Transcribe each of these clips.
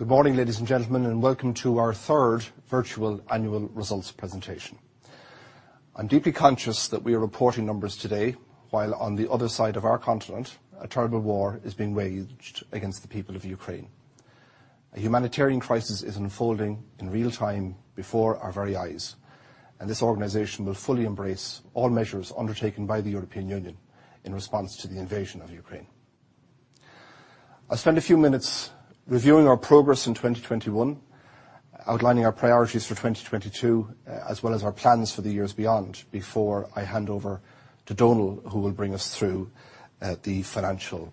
Good morning, ladies and gentlemen, and welcome to our third virtual annual results presentation. I'm deeply conscious that we are reporting numbers today while on the other side of our continent, a terrible war is being waged against the people of Ukraine. A humanitarian crisis is unfolding in real time before our very eyes, and this organization will fully embrace all measures undertaken by the European Union in response to the invasion of Ukraine. I'll spend a few minutes reviewing our progress in 2021, outlining our priorities for 2022, as well as our plans for the years beyond before I hand over to Donal, who will bring us through the financial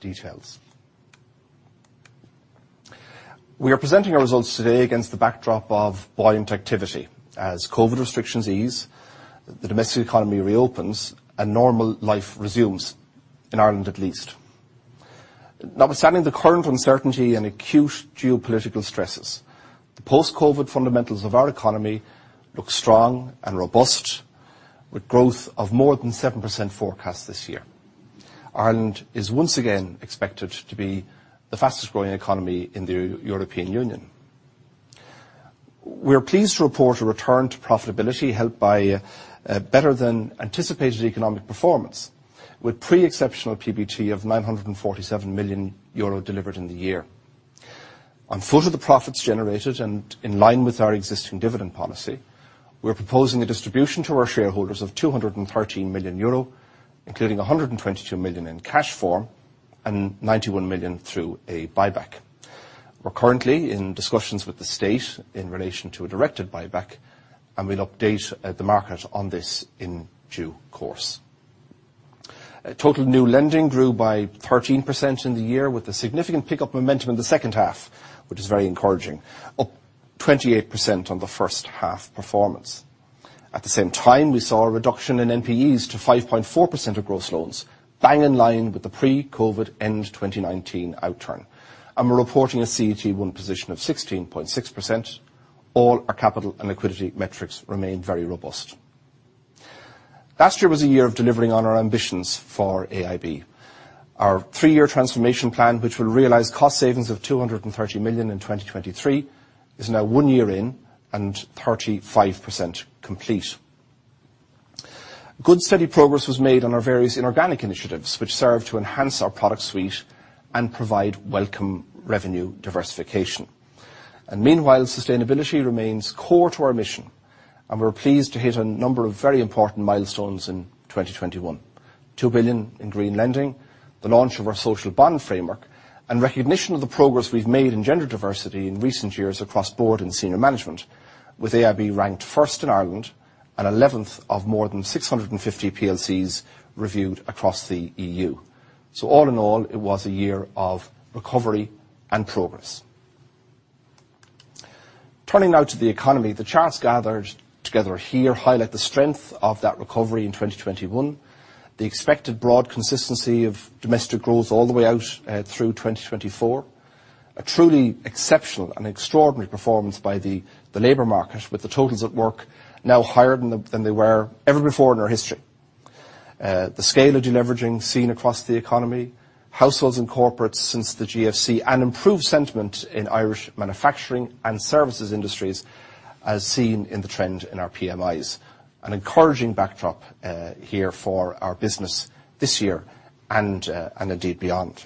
details. We are presenting our results today against the backdrop of buoyant activity. As COVID restrictions ease, the domestic economy reopens and normal life resumes, in Ireland at least. Notwithstanding the current uncertainty and acute geopolitical stresses, the post-COVID fundamentals of our economy look strong and robust with growth of more than 7% forecast this year. Ireland is once again expected to be the fastest-growing economy in the European Union. We are pleased to report a return to profitability helped by a better than anticipated economic performance, with pre-exceptional PBT of 947 million euro delivered in the year. On foot of the profits generated and in line with our existing dividend policy, we're proposing a distribution to our shareholders of 213 million euro, including 122 million euro in cash form and 91 million through a buyback. We're currently in discussions with the state in relation to a directed buyback, and we'll update the market on this in due course. Total new lending grew by 13% in the year with a significant pickup momentum in the second half, which is very encouraging, up 28% on the first half performance. At the same time, we saw a reduction in NPEs to 5.4% of gross loans, bang in line with the pre-COVID end-2019 outturn. We're reporting a CET1 position of 16.6%. All our capital and liquidity metrics remain very robust. Last year was a year of delivering on our ambitions for AIB. Our 3 year transformation plan, which will realize cost savings of 230 million in 2023, is now one year in and 35% complete. Good steady progress was made on our various inorganic initiatives, which serve to enhance our product suite and provide welcome revenue diversification. Meanwhile, sustainability remains core to our mission, and we're pleased to hit a number of very important milestones in 2021. 2 billion in green lending, the launch of our social bond framework, and recognition of the progress we've made in gender diversity in recent years across board and senior management, with AIB ranked first in Ireland and 11th of more than 650 PLCs reviewed across the EU. All in all, it was a year of recovery and progress. Turning now to the economy, the charts gathered together here highlight the strength of that recovery in 2021, the expected broad consistency of domestic growth all the way out through 2024, a truly exceptional and extraordinary performance by the labor market, with the totals at work now higher than they were ever before in our history. The scale of deleveraging seen across the economy, households and corporates since the GFC, and improved sentiment in Irish manufacturing and services industries as seen in the trend in our PMIs. An encouraging backdrop here for our business this year and indeed beyond.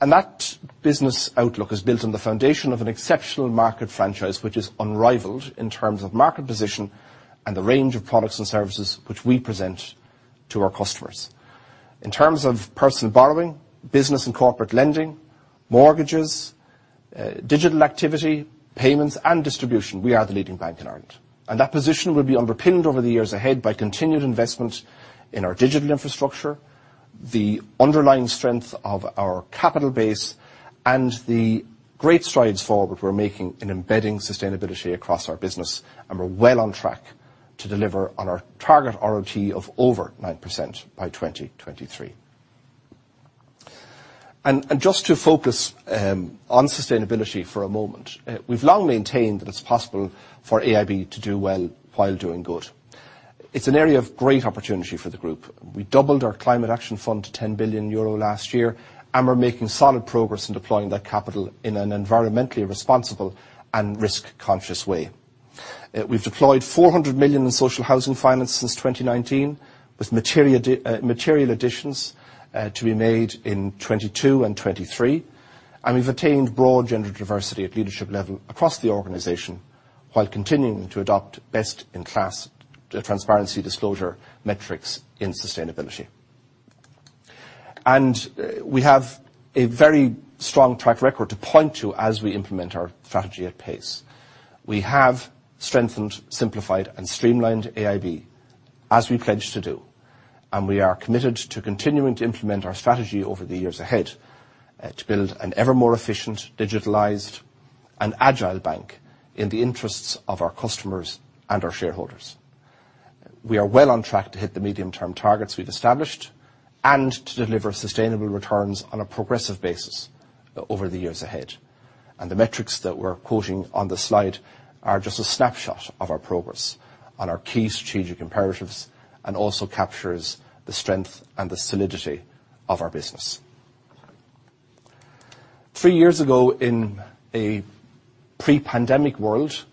That business outlook is built on the foundation of an exceptional market franchise, which is unrivaled in terms of market position and the range of products and services which we present to our customers. In terms of personal borrowing, business and corporate lending, mortgages, digital activity, payments, and distribution, we are the leading bank in Ireland. That position will be underpinned over the years ahead by continued investment in our digital infrastructure, the underlying strength of our capital base, and the great strides forward we're making in embedding sustainability across our business. We're well on track to deliver on our target ROTE of over 9% by 2023. Just to focus on sustainability for a moment, we've long maintained that it's possible for AIB to do well while doing good. It's an area of great opportunity for the group. We doubled our climate action fund to 10 billion euro last year, and we're making solid progress in deploying that capital in an environmentally responsible and risk-conscious way. We've deployed 400 million in social housing finance since 2019, with material additions to be made in 2022 and 2023. We've attained broad gender diversity at leadership level across the organization while continuing to adopt best-in-class transparency disclosure metrics in sustainability. We have a very strong track record to point to as we implement our strategy at pace. We have strengthened, simplified, and streamlined AIB as we pledged to do, and we are committed to continuing to implement our strategy over the years ahead, to build an ever more efficient, digitalized, and agile bank in the interests of our customers and our shareholders. We are well on track to hit the medium-term targets we've established and to deliver sustainable returns on a progressive basis over the years ahead. The metrics that we're quoting on the slide are just a snapshot of our progress on our key strategic imperatives, and also captures the strength and the solidity of our business. Three years ago, in a pre-pandemic world,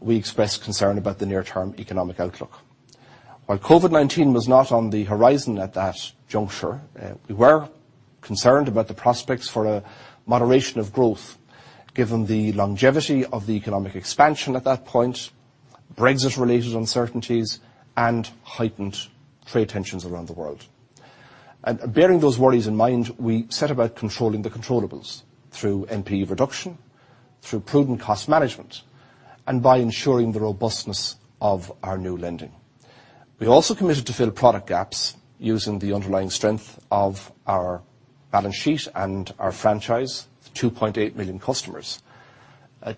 we expressed concern about the near-term economic outlook. While COVID-19 was not on the horizon at that juncture, we were concerned about the prospects for a moderation of growth, given the longevity of the economic expansion at that point, Brexit-related uncertainties, and heightened trade tensions around the world. Bearing those worries in mind, we set about controlling the controllables through NPE reduction, through prudent cost management, and by ensuring the robustness of our new lending. We also committed to fill product gaps using the underlying strength of our balance sheet and our franchise, 2.8 million customers,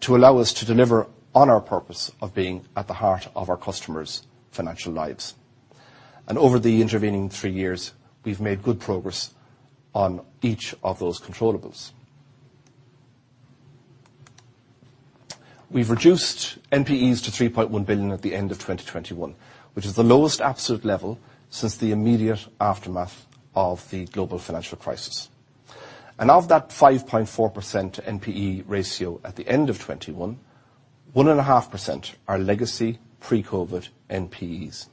to allow us to deliver on our purpose of being at the heart of our customers' financial lives. Over the intervening three years, we've made good progress on each of those controllables. We've reduced NPEs to 3.1 billion at the end of 2021, which is the lowest absolute level since the immediate aftermath of the global financial crisis. Of that 5.4% NPE ratio at the end of 2021, 1.5% are legacy pre-COVID NPEs.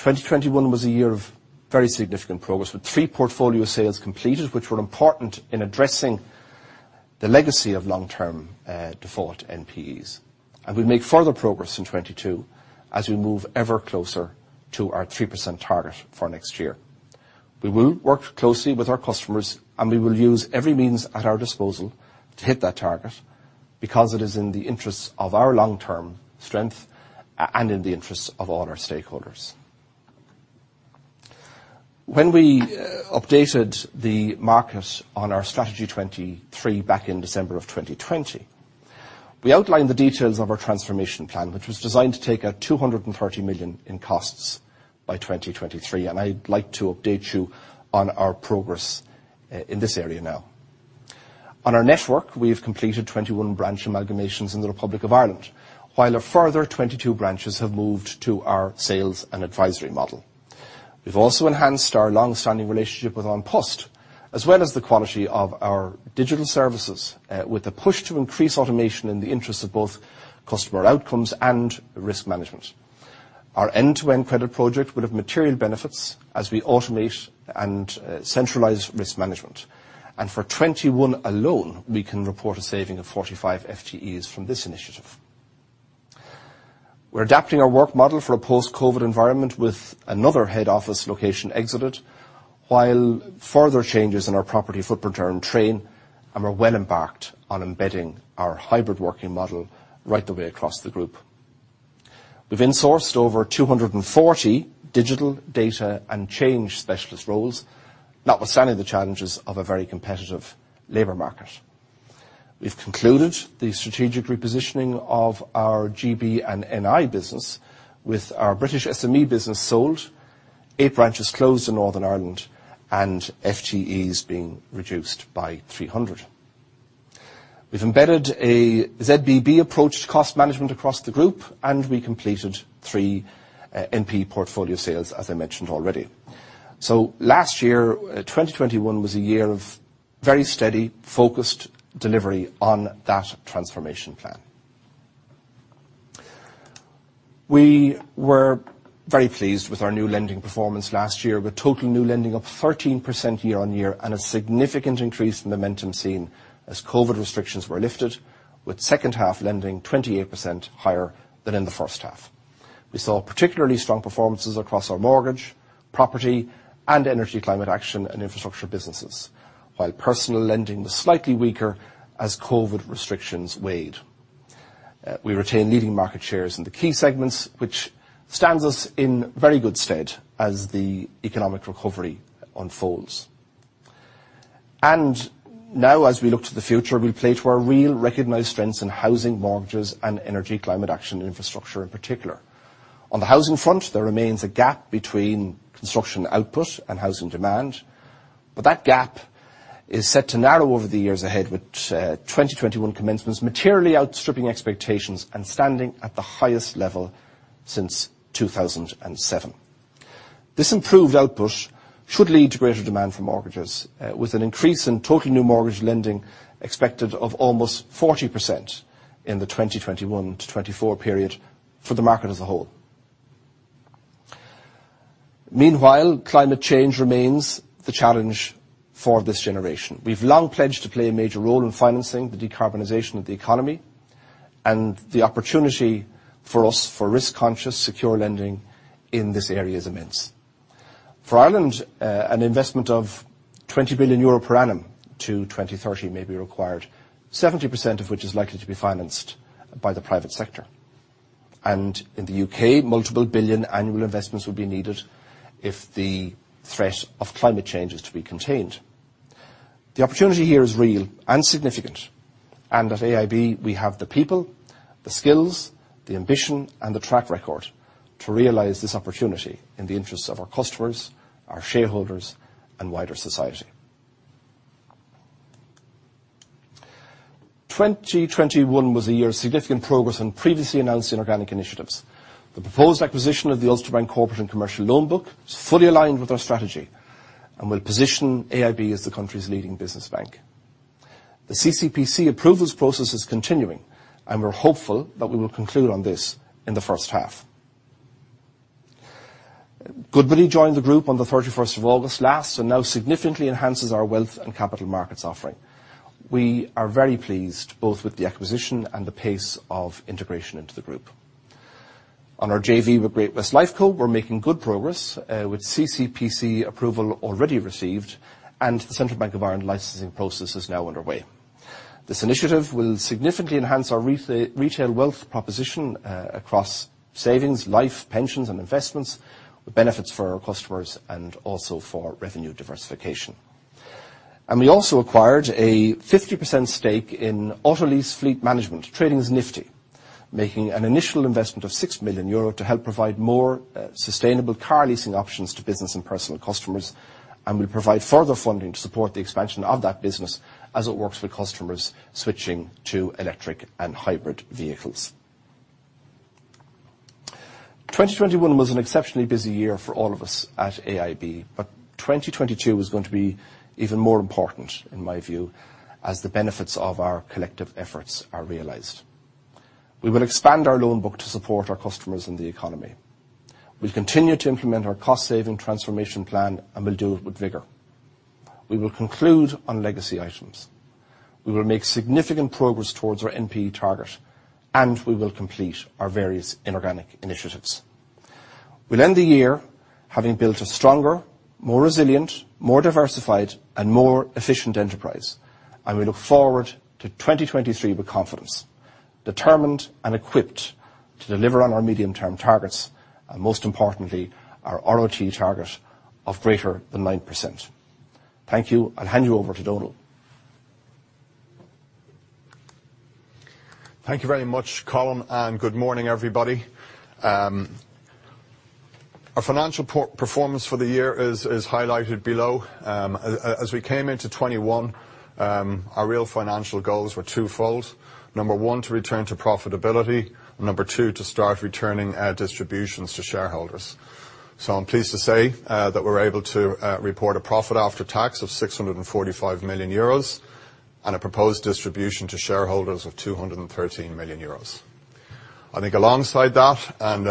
2021 was a year of very significant progress, with three portfolio sales completed, which were important in addressing the legacy of long-term default NPEs. We'll make further progress in 2022 as we move ever closer to our 3% target for next year. We will work closely with our customers, and we will use every means at our disposal to hit that target, because it is in the interests of our long-term strength and in the interests of all our stakeholders. When we updated the market on our Strategy 2023 back in December of 2020, we outlined the details of our transformation plan, which was designed to take out 230 million in costs by 2023. I'd like to update you on our progress in this area now. On our network, we have completed 21 branch amalgamations in the Republic of Ireland, while a further 22 branches have moved to our sales and advisory model. We've also enhanced our long-standing relationship with An Post, as well as the quality of our digital services, with a push to increase automation in the interests of both customer outcomes and risk management. Our end-to-end credit project will have material benefits as we automate and centralize risk management. For 2021 alone, we can report a saving of 45 FTEs from this initiative. We're adapting our work model for a post-COVID environment, with another head office location exited, while further changes in our property footprint are in train, and we're well embarked on embedding our hybrid working model right the way across the group. We've insourced over 240 digital data and change specialist roles, notwithstanding the challenges of a very competitive labor market. We've concluded the strategic repositioning of our GB and NI business, with our British SME business sold, eight branches closed in Northern Ireland, and FTEs being reduced by 300. We've embedded a ZBB approach to cost management across the group, and we completed three NPE portfolio sales, as I mentioned already. Last year, 2021 was a year of very steady, focused delivery on that transformation plan. We were very pleased with our new lending performance last year, with total new lending up 13% year-on-year, and a significant increase in momentum seen as COVID restrictions were lifted, with second half lending 28% higher than in the first half. We saw particularly strong performances across our mortgage, property, and energy climate action and infrastructure businesses, while personal lending was slightly weaker as COVID restrictions weighed. We retain leading market shares in the key segments, which stands us in very good stead as the economic recovery unfolds. Now, as we look to the future, we play to our real recognized strengths in housing, mortgages, and energy climate action infrastructure in particular. On the housing front, there remains a gap between construction output and housing demand, but that gap is set to narrow over the years ahead, with 2021 commencements materially outstripping expectations and standing at the highest level since 2007. This improved output should lead to greater demand for mortgages, with an increase in total new mortgage lending expected of almost 40% in the 2021-2024 period for the market as a whole. Meanwhile, climate change remains the challenge for this generation. We've long pledged to play a major role in financing the decarbonization of the economy, and the opportunity for us, for risk-conscious secure lending in this area is immense. For Ireland, an investment of 20 billion euro per annum to 2030 may be required, 70% of which is likely to be financed by the private sector. In the U.K., multiple billion annual investments will be needed if the threat of climate change is to be contained. The opportunity here is real and significant, and at AIB, we have the people, the skills, the ambition, and the track record to realize this opportunity in the interests of our customers, our shareholders, and wider society. 2021 was a year of significant progress on previously announced inorganic initiatives. The proposed acquisition of the Ulster Bank corporate and commercial loan book is fully aligned with our strategy and will position AIB as the country's leading business bank. The CCPC approvals process is continuing, and we're hopeful that we will conclude on this in the first half. Goodbody joined the group on the 31st of August last and now significantly enhances our wealth and capital markets offering. We are very pleased both with the acquisition and the pace of integration into the group. On our JV with Great-West Lifeco, we're making good progress, with CCPC approval already received, and the Central Bank of Ireland licensing process is now underway. This initiative will significantly enhance our retail wealth proposition, across savings, life, pensions, and investments, with benefits for our customers and also for revenue diversification. We also acquired a 50% stake in Autolease Fleet Management, trading as Nifti, making an initial investment of 6 million euro to help provide more, sustainable car leasing options to business and personal customers, and will provide further funding to support the expansion of that business as it works with customers switching to electric and hybrid vehicles. 2021 was an exceptionally busy year for all of us at AIB, but 2022 is going to be even more important, in my view, as the benefits of our collective efforts are realized. We will expand our loan book to support our customers in the economy. We'll continue to implement our cost-saving transformation plan, and we'll do it with vigor. We will conclude on legacy items. We will make significant progress towards our NPE target, and we will complete our various inorganic initiatives. We'll end the year having built a stronger, more resilient, more diversified, and more efficient enterprise, and we look forward to 2023 with confidence, determined and equipped to deliver on our medium-term targets, and most importantly, our ROTE target of greater than 9%. Thank you. I'll hand you over to Donal. Thank you very much, Colin, and good morning, everybody. Our financial performance for the year is highlighted below. As we came into 2021, our real financial goals were twofold. Number one, to return to profitability, and number two, to start returning distributions to shareholders. I'm pleased to say that we're able to report a profit after tax of 645 million euros and a proposed distribution to shareholders of 213 million euros. I think alongside that and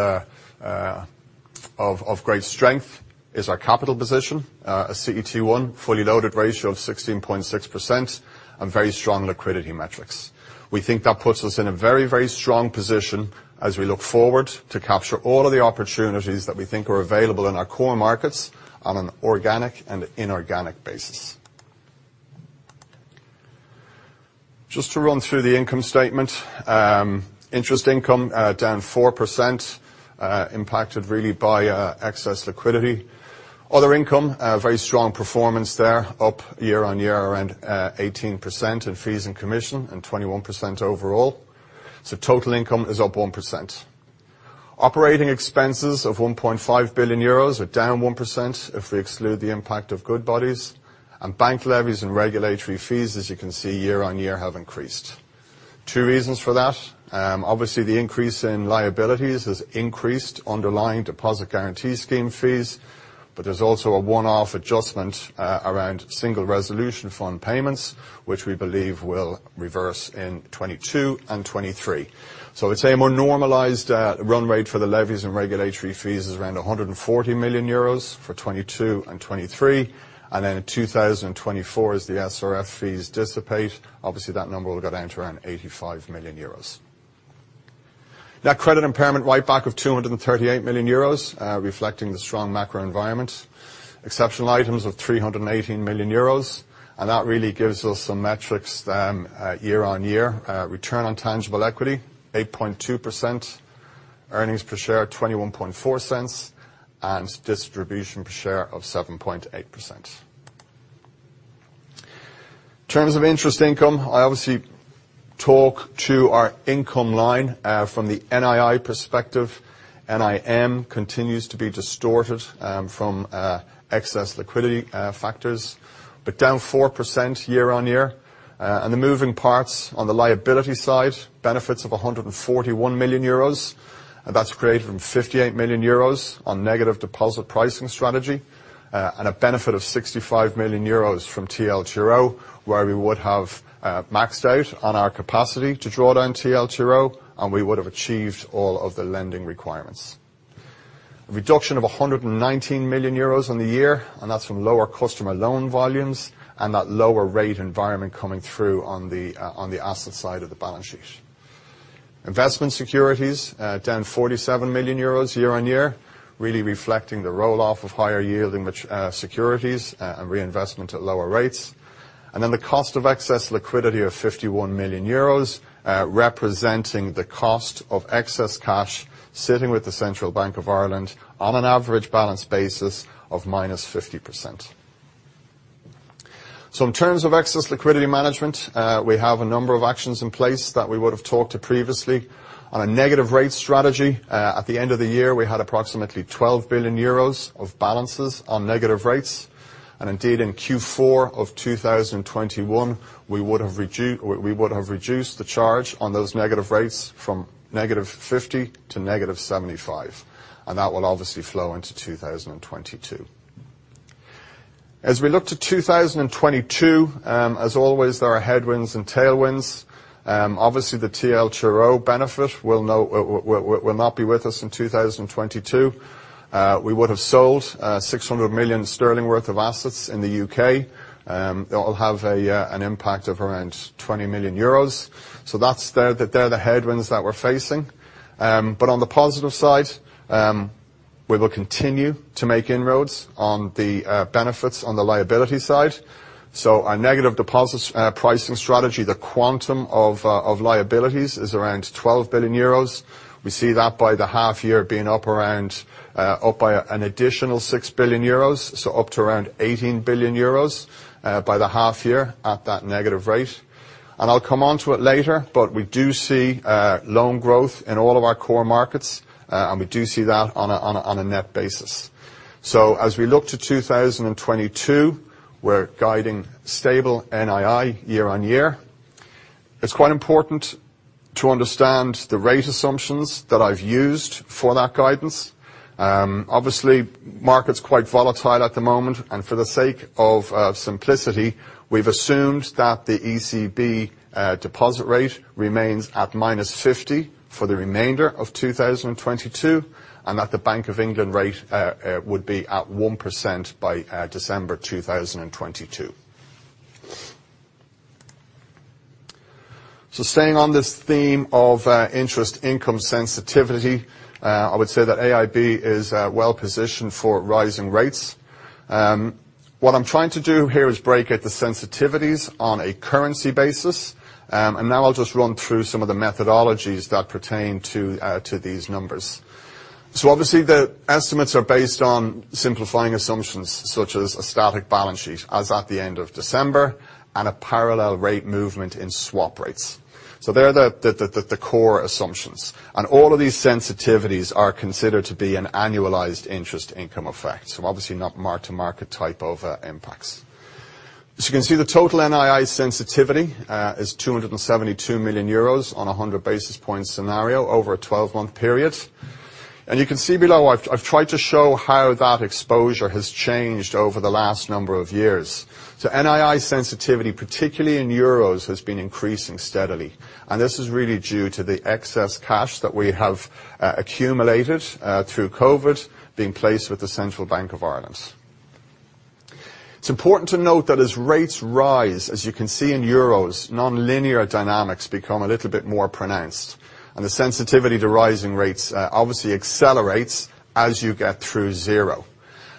of great strength is our capital position, a CET1 fully loaded ratio of 16.6% and very strong liquidity metrics. We think that puts us in a very, very strong position as we look forward to capture all of the opportunities that we think are available in our core markets on an organic and inorganic basis. Just to run through the income statement. Interest income, down 4%, impacted really by excess liquidity. Other income, a very strong performance there, up year-on-year around 18% in fees and commission and 21% overall. So total income is up 1%. Operating expenses of 1.5 billion euros are down 1% if we exclude the impact of Goodbody. Bank levies and regulatory fees, as you can see, year-on-year have increased. Two reasons for that. Obviously, the increase in liabilities has increased underlying Deposit Guarantee Scheme fees, but there's also a one-off adjustment around Single Resolution Fund payments, which we believe will reverse in 2022 and 2023. I'd say a more normalized run rate for the levies and regulatory fees is around 140 million euros for 2022 and 2023. In 2024, as the SRF fees dissipate, that number will go down to around 85 million euros. Net credit impairment write-back of 238 million euros, reflecting the strong macro environment. Exceptional items of 318 million euros, and that really gives us some metrics then, year-on-year. Return on tangible equity, 8.2%. Earnings per share, 0.214. Distribution per share of 7.8%. In terms of interest income, I obviously talk to our income line from the NII perspective. NIM continues to be distorted from excess liquidity factors, but down 4% year-on-year. The moving parts on the liability side, benefits of 141 million euros. That's created from 58 million euros on negative deposit pricing strategy and a benefit of 65 million euros from TLTRO, where we would have maxed out on our capacity to draw down TLTRO, and we would have achieved all of the lending requirements. A reduction of 119 million euros on the year, and that's from lower customer loan volumes and that lower rate environment coming through on the asset side of the balance sheet. Investment securities down 47 million euros year-on-year, really reflecting the roll-off of higher yielding, which securities, and reinvestment at lower rates. Then the cost of excess liquidity of 51 million euros, representing the cost of excess cash sitting with the Central Bank of Ireland on an average balance basis of -50%. In terms of excess liquidity management, we have a number of actions in place that we would have talked to previously. On a negative rate strategy, at the end of the year, we had approximately 12 billion euros of balances on negative rates. Indeed, in Q4 of 2021, we would have reduced the charge on those negative rates from negative 50 to negative 75. That will obviously flow into 2022. As we look to 2022, as always, there are headwinds and tailwinds. Obviously, the TLTRO benefit will not be with us in 2022. We would have sold 600 million sterling worth of assets in the U.K. It'll have an impact of around 20 million euros. So they're the headwinds that we're facing. On the positive side, we will continue to make inroads on the benefits on the liability side. Our negative deposits pricing strategy, the quantum of liabilities is around 12 billion euros. We see that by the half year being up by an additional 6 billion euros, so up to around 18 billion euros by the half year at that negative rate. I'll come onto it later, but we do see loan growth in all of our core markets, and we do see that on a net basis. As we look to 2022, we're guiding stable NII year on year. It's quite important to understand the rate assumptions that I've used for that guidance. Obviously, market's quite volatile at the moment, and for the sake of simplicity, we've assumed that the ECB deposit rate remains at minus 50 for the remainder of 2022, and that the Bank of England rate would be at 1% by December 2022. Staying on this theme of interest income sensitivity, I would say that AIB is well positioned for rising rates. What I'm trying to do here is break out the sensitivities on a currency basis. Now I'll just run through some of the methodologies that pertain to these numbers. Obviously, the estimates are based on simplifying assumptions, such as a static balance sheet as at the end of December and a parallel rate movement in swap rates. They're the core assumptions, and all of these sensitivities are considered to be an annualized interest income effect, so obviously not mark-to-market type of impacts. As you can see, the total NII sensitivity is 272 million euros on a 100 basis points scenario over a 12-month period. You can see below, I've tried to show how that exposure has changed over the last number of years. NII sensitivity, particularly in euros, has been increasing steadily, and this is really due to the excess cash that we have accumulated through COVID being placed with the Central Bank of Ireland. It's important to note that as rates rise, as you can see in euros, nonlinear dynamics become a little bit more pronounced, and the sensitivity to rising rates obviously accelerates as you get through zero.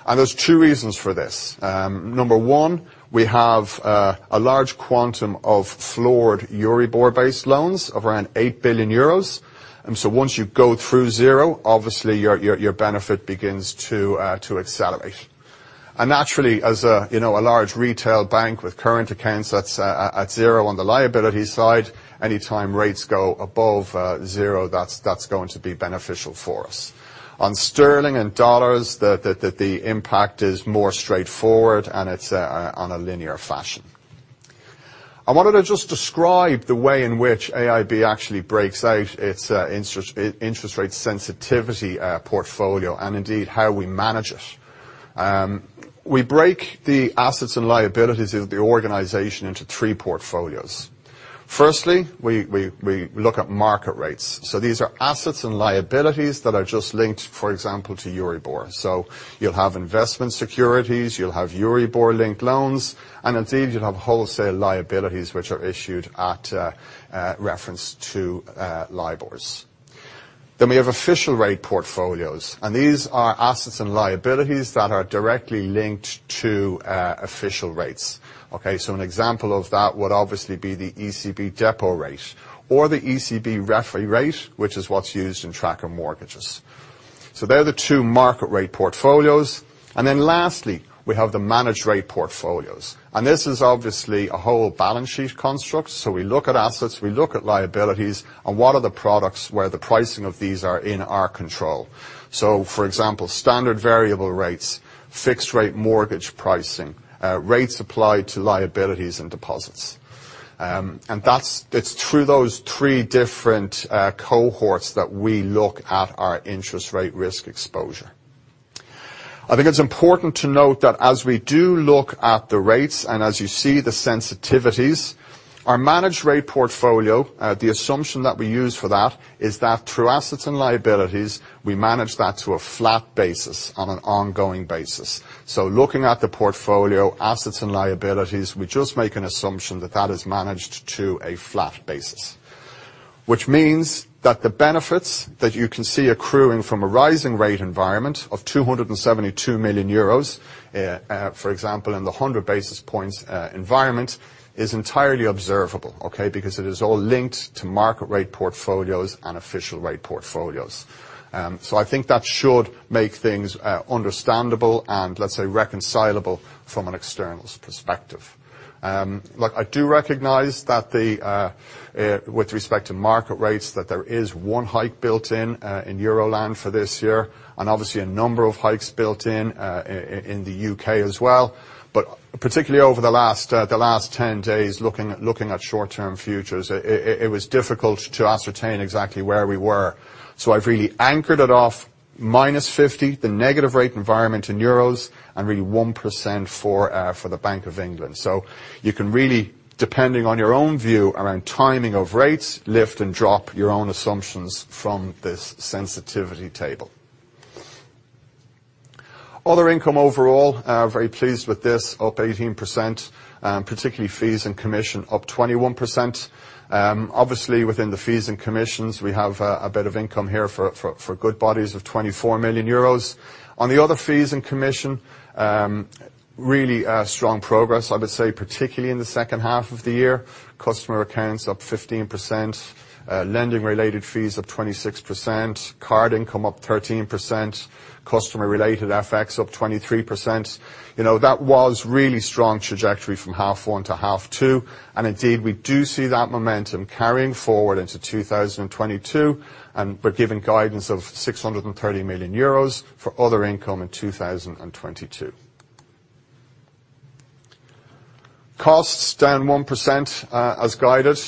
There's two reasons for this. Number one, we have a large quantum of floored Euribor-based loans of around 8 billion euros. Once you go through zero, obviously your benefit begins to accelerate. Naturally, as you know, a large retail bank with current accounts that's at zero on the liability side, any time rates go above zero, that's going to be beneficial for us. On sterling and dollars, the impact is more straightforward, and it's on a linear fashion. I wanted to just describe the way in which AIB actually breaks out its interest rate sensitivity portfolio and indeed how we manage it. We break the assets and liabilities of the organization into three portfolios. Firstly, we look at market rates. So these are assets and liabilities that are just linked, for example, to EURIBOR. So you'll have investment securities, you'll have EURIBOR-linked loans, and indeed you'll have wholesale liabilities which are issued at a reference to LIBORs. Then we have official rate portfolios, and these are assets and liabilities that are directly linked to official rates, okay? So an example of that would obviously be the ECB depo rate or the ECB refi rate, which is what's used in tracker mortgages. They're the two market rate portfolios. Lastly, we have the managed rate portfolios. This is obviously a whole balance sheet construct. We look at assets, we look at liabilities, and what are the products where the pricing of these are in our control? For example, standard variable rates, fixed rate mortgage pricing, rates applied to liabilities and deposits. It's through those three different cohorts that we look at our interest rate risk exposure. I think it's important to note that as we do look at the rates and as you see the sensitivities, our managed rate portfolio, the assumption that we use for that is that through assets and liabilities, we manage that to a flat basis on an ongoing basis. Looking at the portfolio assets and liabilities, we just make an assumption that it is managed to a flat basis. Which means that the benefits that you can see accruing from a rising rate environment of 272 million euros, for example, in the 100 basis points environment is entirely observable, okay? Because it is all linked to market rate portfolios and official rate portfolios. I think that should make things understandable and, let's say, reconcilable from an external's perspective. Look, I do recognize that the with respect to market rates, that there is one hike built in in Euro land for this year, and obviously a number of hikes built in in the U.K. as well. Particularly over the last 10 days, looking at short-term futures, it was difficult to ascertain exactly where we were. I've really anchored it off -50, the negative rate environment in euros, and really 1% for the Bank of England. You can really, depending on your own view around timing of rates, lift and drop your own assumptions from this sensitivity table. Other income overall, very pleased with this. Up 18%, particularly fees and commission up 21%. Obviously, within the fees and commissions, we have a bit of income here for Goodbody of 24 million euros. On the other fees and commission, really strong progress, I would say, particularly in the second half of the year. Customer accounts up 15%. Lending related fees up 26%. Card income up 13%. Customer related FX up 23%. You know, that was really strong trajectory from half one to half two. Indeed, we do see that momentum carrying forward into 2022, and we're giving guidance of 630 million euros for other income in 2022. Costs down 1%, as guided.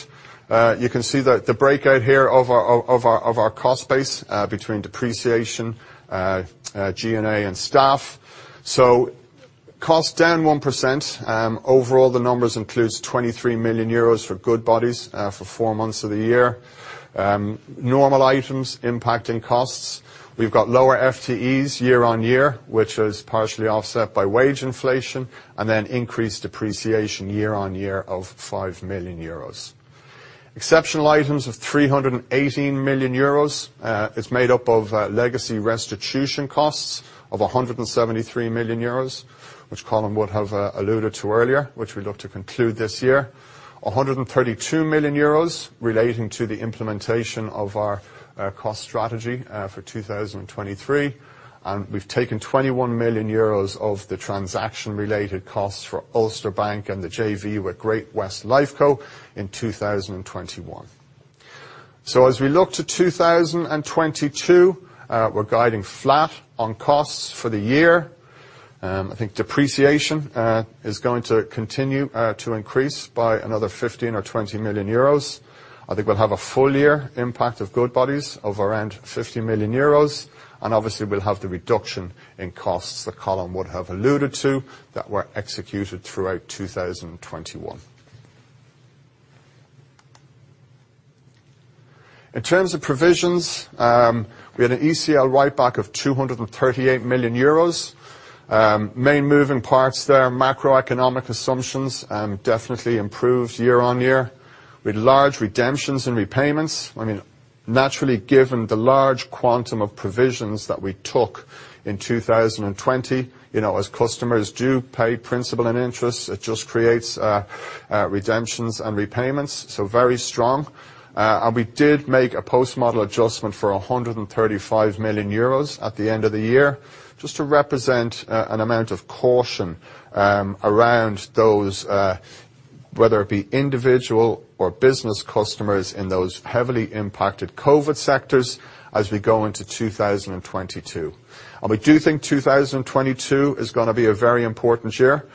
You can see the breakout here of our cost base between depreciation, G&A and staff. Costs down 1%. Overall, the numbers includes 23 million euros for Goodbody for four months of the year. Normal items impacting costs. We've got lower FTEs year-on-year, which is partially offset by wage inflation, and then increased depreciation year-on-year of 5 million euros. Exceptional items of 380 million euros is made up of legacy restitution costs of 173 million euros, which Colin would have alluded to earlier, which we look to conclude this year. 132 million euros relating to the implementation of our cost strategy for 2023. We've taken 21 million euros of the transaction related costs for Ulster Bank and the JV with Great-West Lifeco in 2021. As we look to 2022, we're guiding flat on costs for the year. I think depreciation is going to continue to increase by another 15 million or 20 million euros. I think we'll have a full year impact of Goodbody of around 50 million euros, and obviously we'll have the reduction in costs that Colin would have alluded to that were executed throughout 2021. In terms of provisions, we had an ECL write-back of 238 million euros. Main moving parts there, macroeconomic assumptions, definitely improved year-over-year with large redemptions and repayments. I mean, naturally, given the large quantum of provisions that we took in 2020, you know, as customers do pay principal and interest, it just creates redemptions and repayments, so very strong. We did make a post-model adjustment for 135 million euros at the end of the year just to represent an amount of caution around those whether it be individual or business customers in those heavily impacted COVID sectors as we go into 2022. We do think 2022 is gonna be a very important year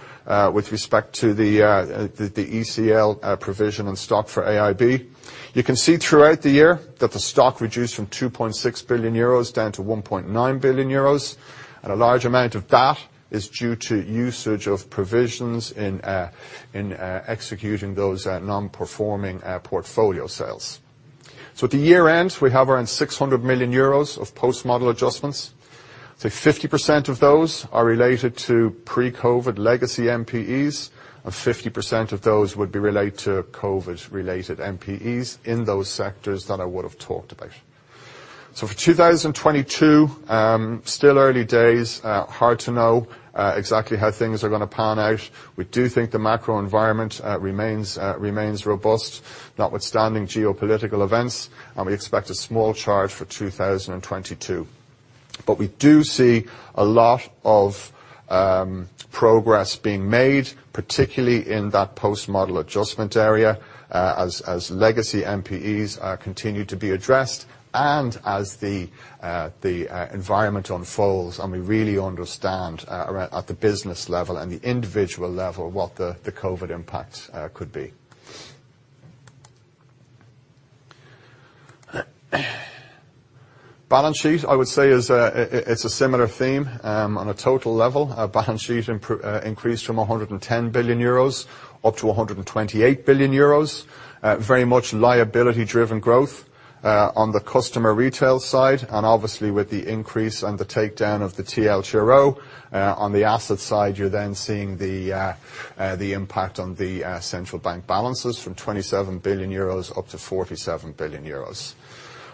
with respect to the ECL provision and stock for AIB. You can see throughout the year that the stock reduced from 2.6 billion euros down to 1.9 billion euros, and a large amount of that is due to usage of provisions in executing those non-performing portfolio sales. At the year-end, we have around 600 million euros of post-model adjustments. I'd say 50% of those are related to pre-COVID legacy NPEs, and 50% of those would be related to COVID-related NPEs in those sectors that I would have talked about. For 2022, still early days, hard to know exactly how things are gonna pan out. We do think the macro environment remains robust, notwithstanding geopolitical events, and we expect a small charge for 2022. We do see a lot of progress being made, particularly in that post-model adjustment area, as legacy NPEs are continued to be addressed and as the environment unfolds and we really understand around at the business level and the individual level what the COVID impact could be. Balance sheet, I would say, is a similar theme on a total level. Our balance sheet increased from 110 billion euros up to 128 billion euros. Very much liability driven growth on the customer retail side, and obviously with the increase and the takedown of the TLTRO on the asset side, you're then seeing the impact on the central bank balances from 27 billion euros up to 47 billion euros.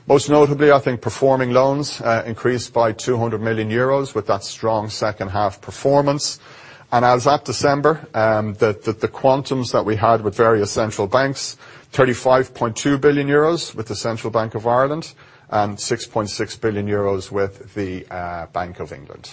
Most notably, I think performing loans increased by 200 million euros with that strong second half performance. As at December, the quantums that we had with various central banks, 35.2 billion euros with the Central Bank of Ireland and 6.6 billion euros with the Bank of England.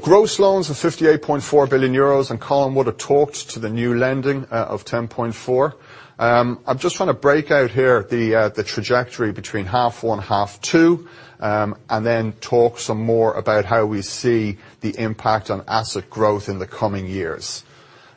Gross loans of 58.4 billion euros, and Colin would have talked to the new lending of 10.4 billion. I just want to break out here the trajectory between H1, H2, and then talk some more about how we see the impact on asset growth in the coming years.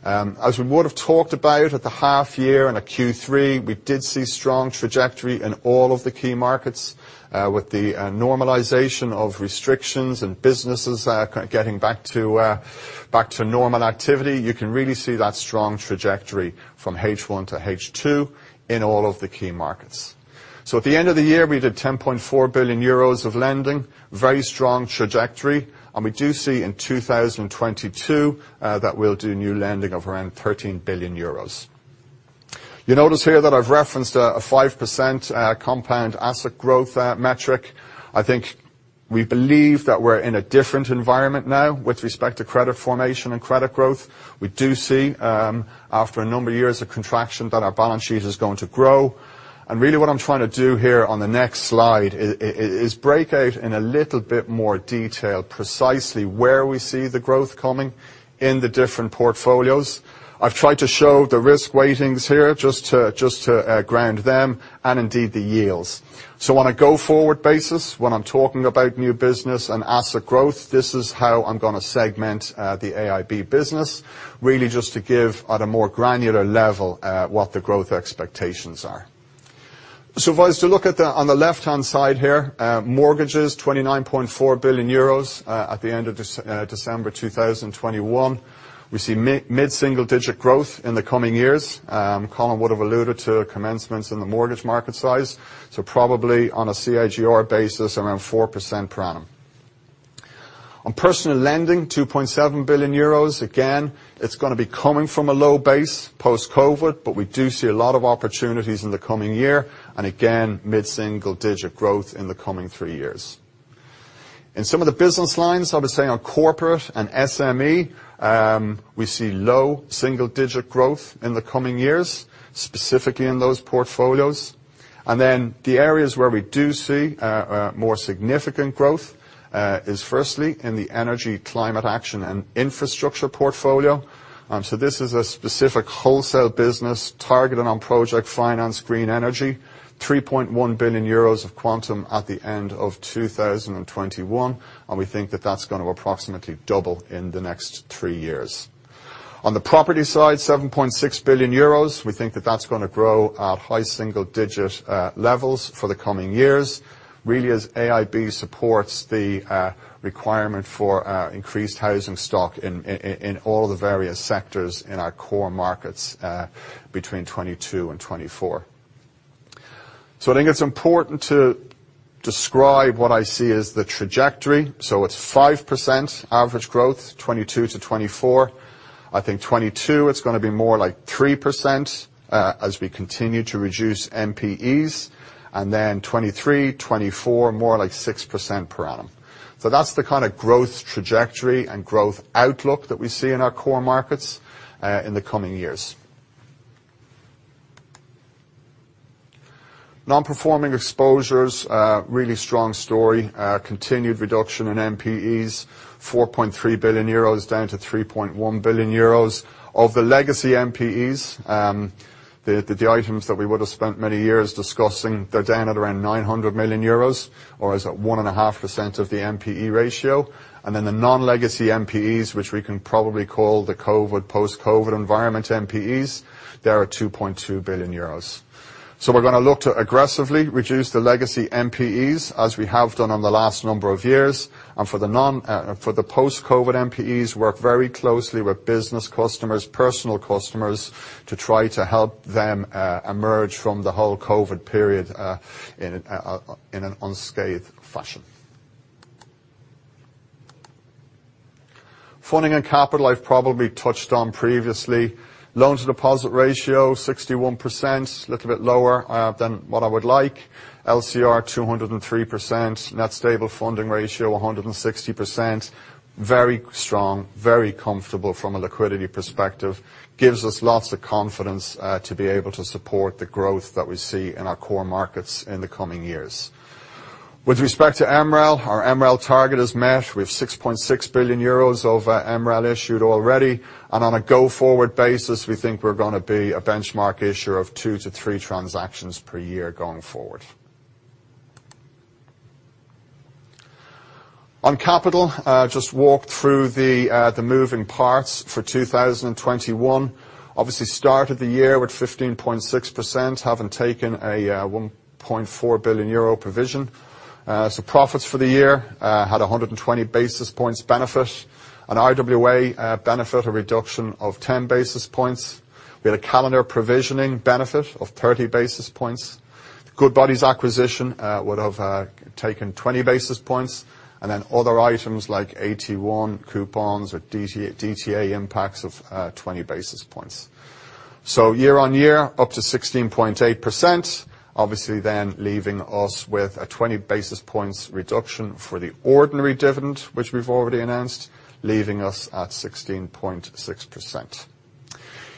As we would have talked about at the half year and at Q3, we did see strong trajectory in all of the key markets, with the normalization of restrictions and businesses kind of getting back to normal activity. You can really see that strong trajectory from H1 to H2 in all of the key markets. At the end of the year, we did 10.4 billion euros of lending. Very strong trajectory. We do see in 2022 that we'll do new lending of around 13 billion euros. You notice here that I've referenced a 5% compound asset growth metric. I think we believe that we're in a different environment now with respect to credit formation and credit growth. We do see, after a number of years of contraction, that our balance sheet is going to grow. Really what I'm trying to do here on the next slide is break out in a little bit more detail precisely where we see the growth coming in the different portfolios. I've tried to show the risk weightings here just to ground them and indeed the yields. On a go forward basis, when I'm talking about new business and asset growth, this is how I'm gonna segment the AIB business, really just to give at a more granular level what the growth expectations are. If I was to look at on the left-hand side here, mortgages, 29.4 billion euros at the end of December 2021. We see mid-single digit growth in the coming years. Colin would have alluded to commencements in the mortgage market size. Probably on a CAGR basis, around 4% per annum. On personal lending, 2.7 billion euros. Again, it's gonna be coming from a low base post-COVID, but we do see a lot of opportunities in the coming year, and again, mid-single digit growth in the coming three years. In some of the business lines, I would say on corporate and SME, we see low single digit growth in the coming years, specifically in those portfolios. The areas where we do see more significant growth is firstly in the energy, climate action, and infrastructure portfolio. This is a specific wholesale business targeted on project finance green energy. 3.1 billion euros of quantum at the end of 2021, and we think that that's gonna approximately double in the next three years. On the property side, 7.6 billion euros. We think that that's gonna grow at high single digit levels for the coming years, really as AIB supports the requirement for increased housing stock in all the various sectors in our core markets between 2022 and 2024. I think it's important to describe what I see as the trajectory. It's 5% average growth, 2022 to 2024. I think 2022, it's gonna be more like 3%, as we continue to reduce NPEs. Then 2023, 2024, more like 6% per annum. That's the kind of growth trajectory and growth outlook that we see in our core markets, in the coming years. Non-performing exposures, really strong story. Continued reduction in NPEs, 4.3 billion euros down to 3.1 billion euros. Of the legacy NPEs, the items that we would have spent many years discussing, they're down at around 900 million euros, or is it 1.5% of the NPE ratio? Then the non-legacy NPEs, which we can probably call the COVID, post-COVID environment NPEs, they are at 2.2 billion euros. We're gonna look to aggressively reduce the legacy NPEs as we have done on the last number of years. For the non, for the post-COVID NPEs, work very closely with business customers, personal customers, to try to help them emerge from the whole COVID period in an unscathed fashion. Funding and capital, I've probably touched on previously. Loan-to-deposit ratio, 61%, little bit lower than what I would like. LCR, 203%. Net stable funding ratio, 160%. Very strong, very comfortable from a liquidity perspective. Gives us lots of confidence to be able to support the growth that we see in our core markets in the coming years. With respect to MREL, our MREL target is met with 6.6 billion euros of MREL issued already. On a go-forward basis, we think we're gonna be a benchmark issuer of two to three transactions per year going forward. On capital, just walk through the moving parts for 2021. Obviously started the year with 15.6%, having taken a 1.4 billion euro provision. Profits for the year had 120 basis points benefit. On RWA, benefit a reduction of 10 basis points. We had a calendar provisioning benefit of 30 basis points. Goodbody acquisition would have taken 20 basis points, and then other items like AT1 coupons or DTA impacts of 20 basis points. Year-on-year, up to 16.8%, obviously then leaving us with a 20 basis points reduction for the ordinary dividend, which we've already announced, leaving us at 16.6%.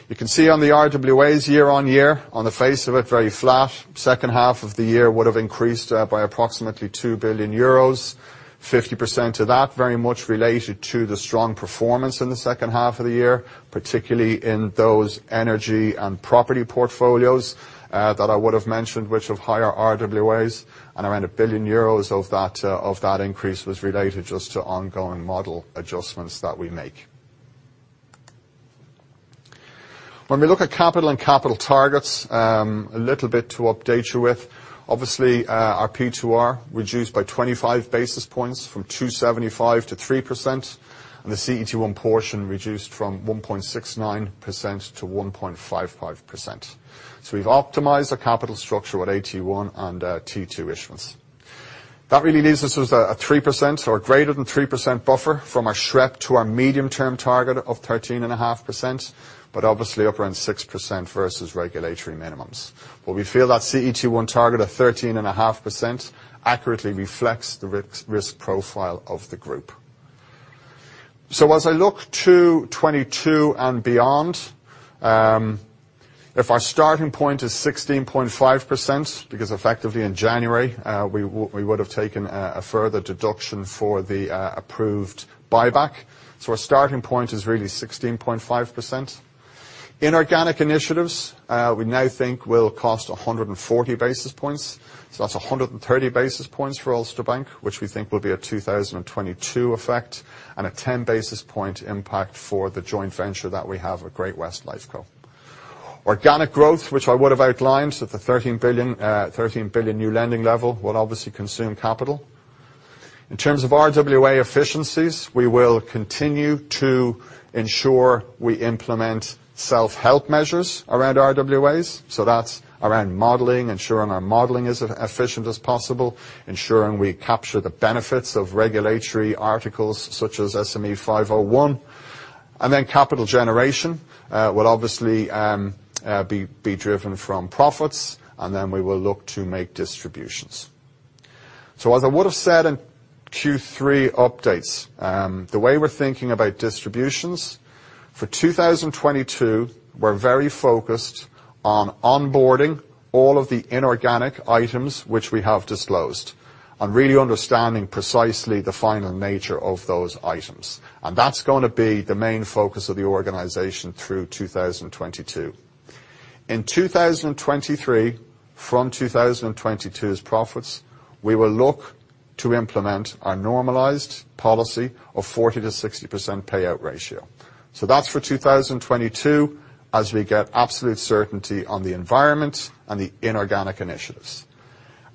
You can see on the RWAs year-on-year, on the face of it, very flat. Second half of the year would have increased by approximately 2 billion euros. 50% of that very much related to the strong performance in the second half of the year, particularly in those energy and property portfolios that I would have mentioned, which have higher RWAs. Around 1 billion euros of that increase was related just to ongoing model adjustments that we make. When we look at capital and capital targets, a little bit to update you with. Obviously, our P2R reduced by 25 basis points from 275 to 3%, and the CET1 portion reduced from 1.69% to 1.55%. We've optimized the capital structure with AT1 and T2 issuance. That really leaves us with a three percent or greater than three percent buffer from our SREP to our medium-term target of 13.5%, but obviously up around 6% versus regulatory minimums. We feel that CET1 target of 13.5% accurately reflects the risk profile of the group. As I look to 2022 and beyond, if our starting point is 16.5%, because effectively in January, we would have taken a further deduction for the approved buyback. Our starting point is really 16.5%. Inorganic initiatives we now think will cost 140 basis points. That's 130 basis points for Ulster Bank, which we think will be a 2022 effect, and a 10 basis point impact for the joint venture that we have with Great-West Lifeco. Organic growth, which I would have outlined at the 13 billion new lending level, will obviously consume capital. In terms of RWA efficiencies, we will continue to ensure we implement self-help measures around RWAs. That's around modeling, ensuring our modeling is as efficient as possible, ensuring we capture the benefits of regulatory articles such as SME 501. Capital generation will obviously be driven from profits, and then we will look to make distributions. As I would have said in Q3 updates, the way we're thinking about distributions, for 2022, we're very focused on onboarding all of the inorganic items which we have disclosed and really understanding precisely the final nature of those items. That's gonna be the main focus of the organization through 2022. In 2023, from 2022's profits, we will look to implement our normalized policy of 40%-60% payout ratio. That's for 2022, as we get absolute certainty on the environment and the inorganic initiatives.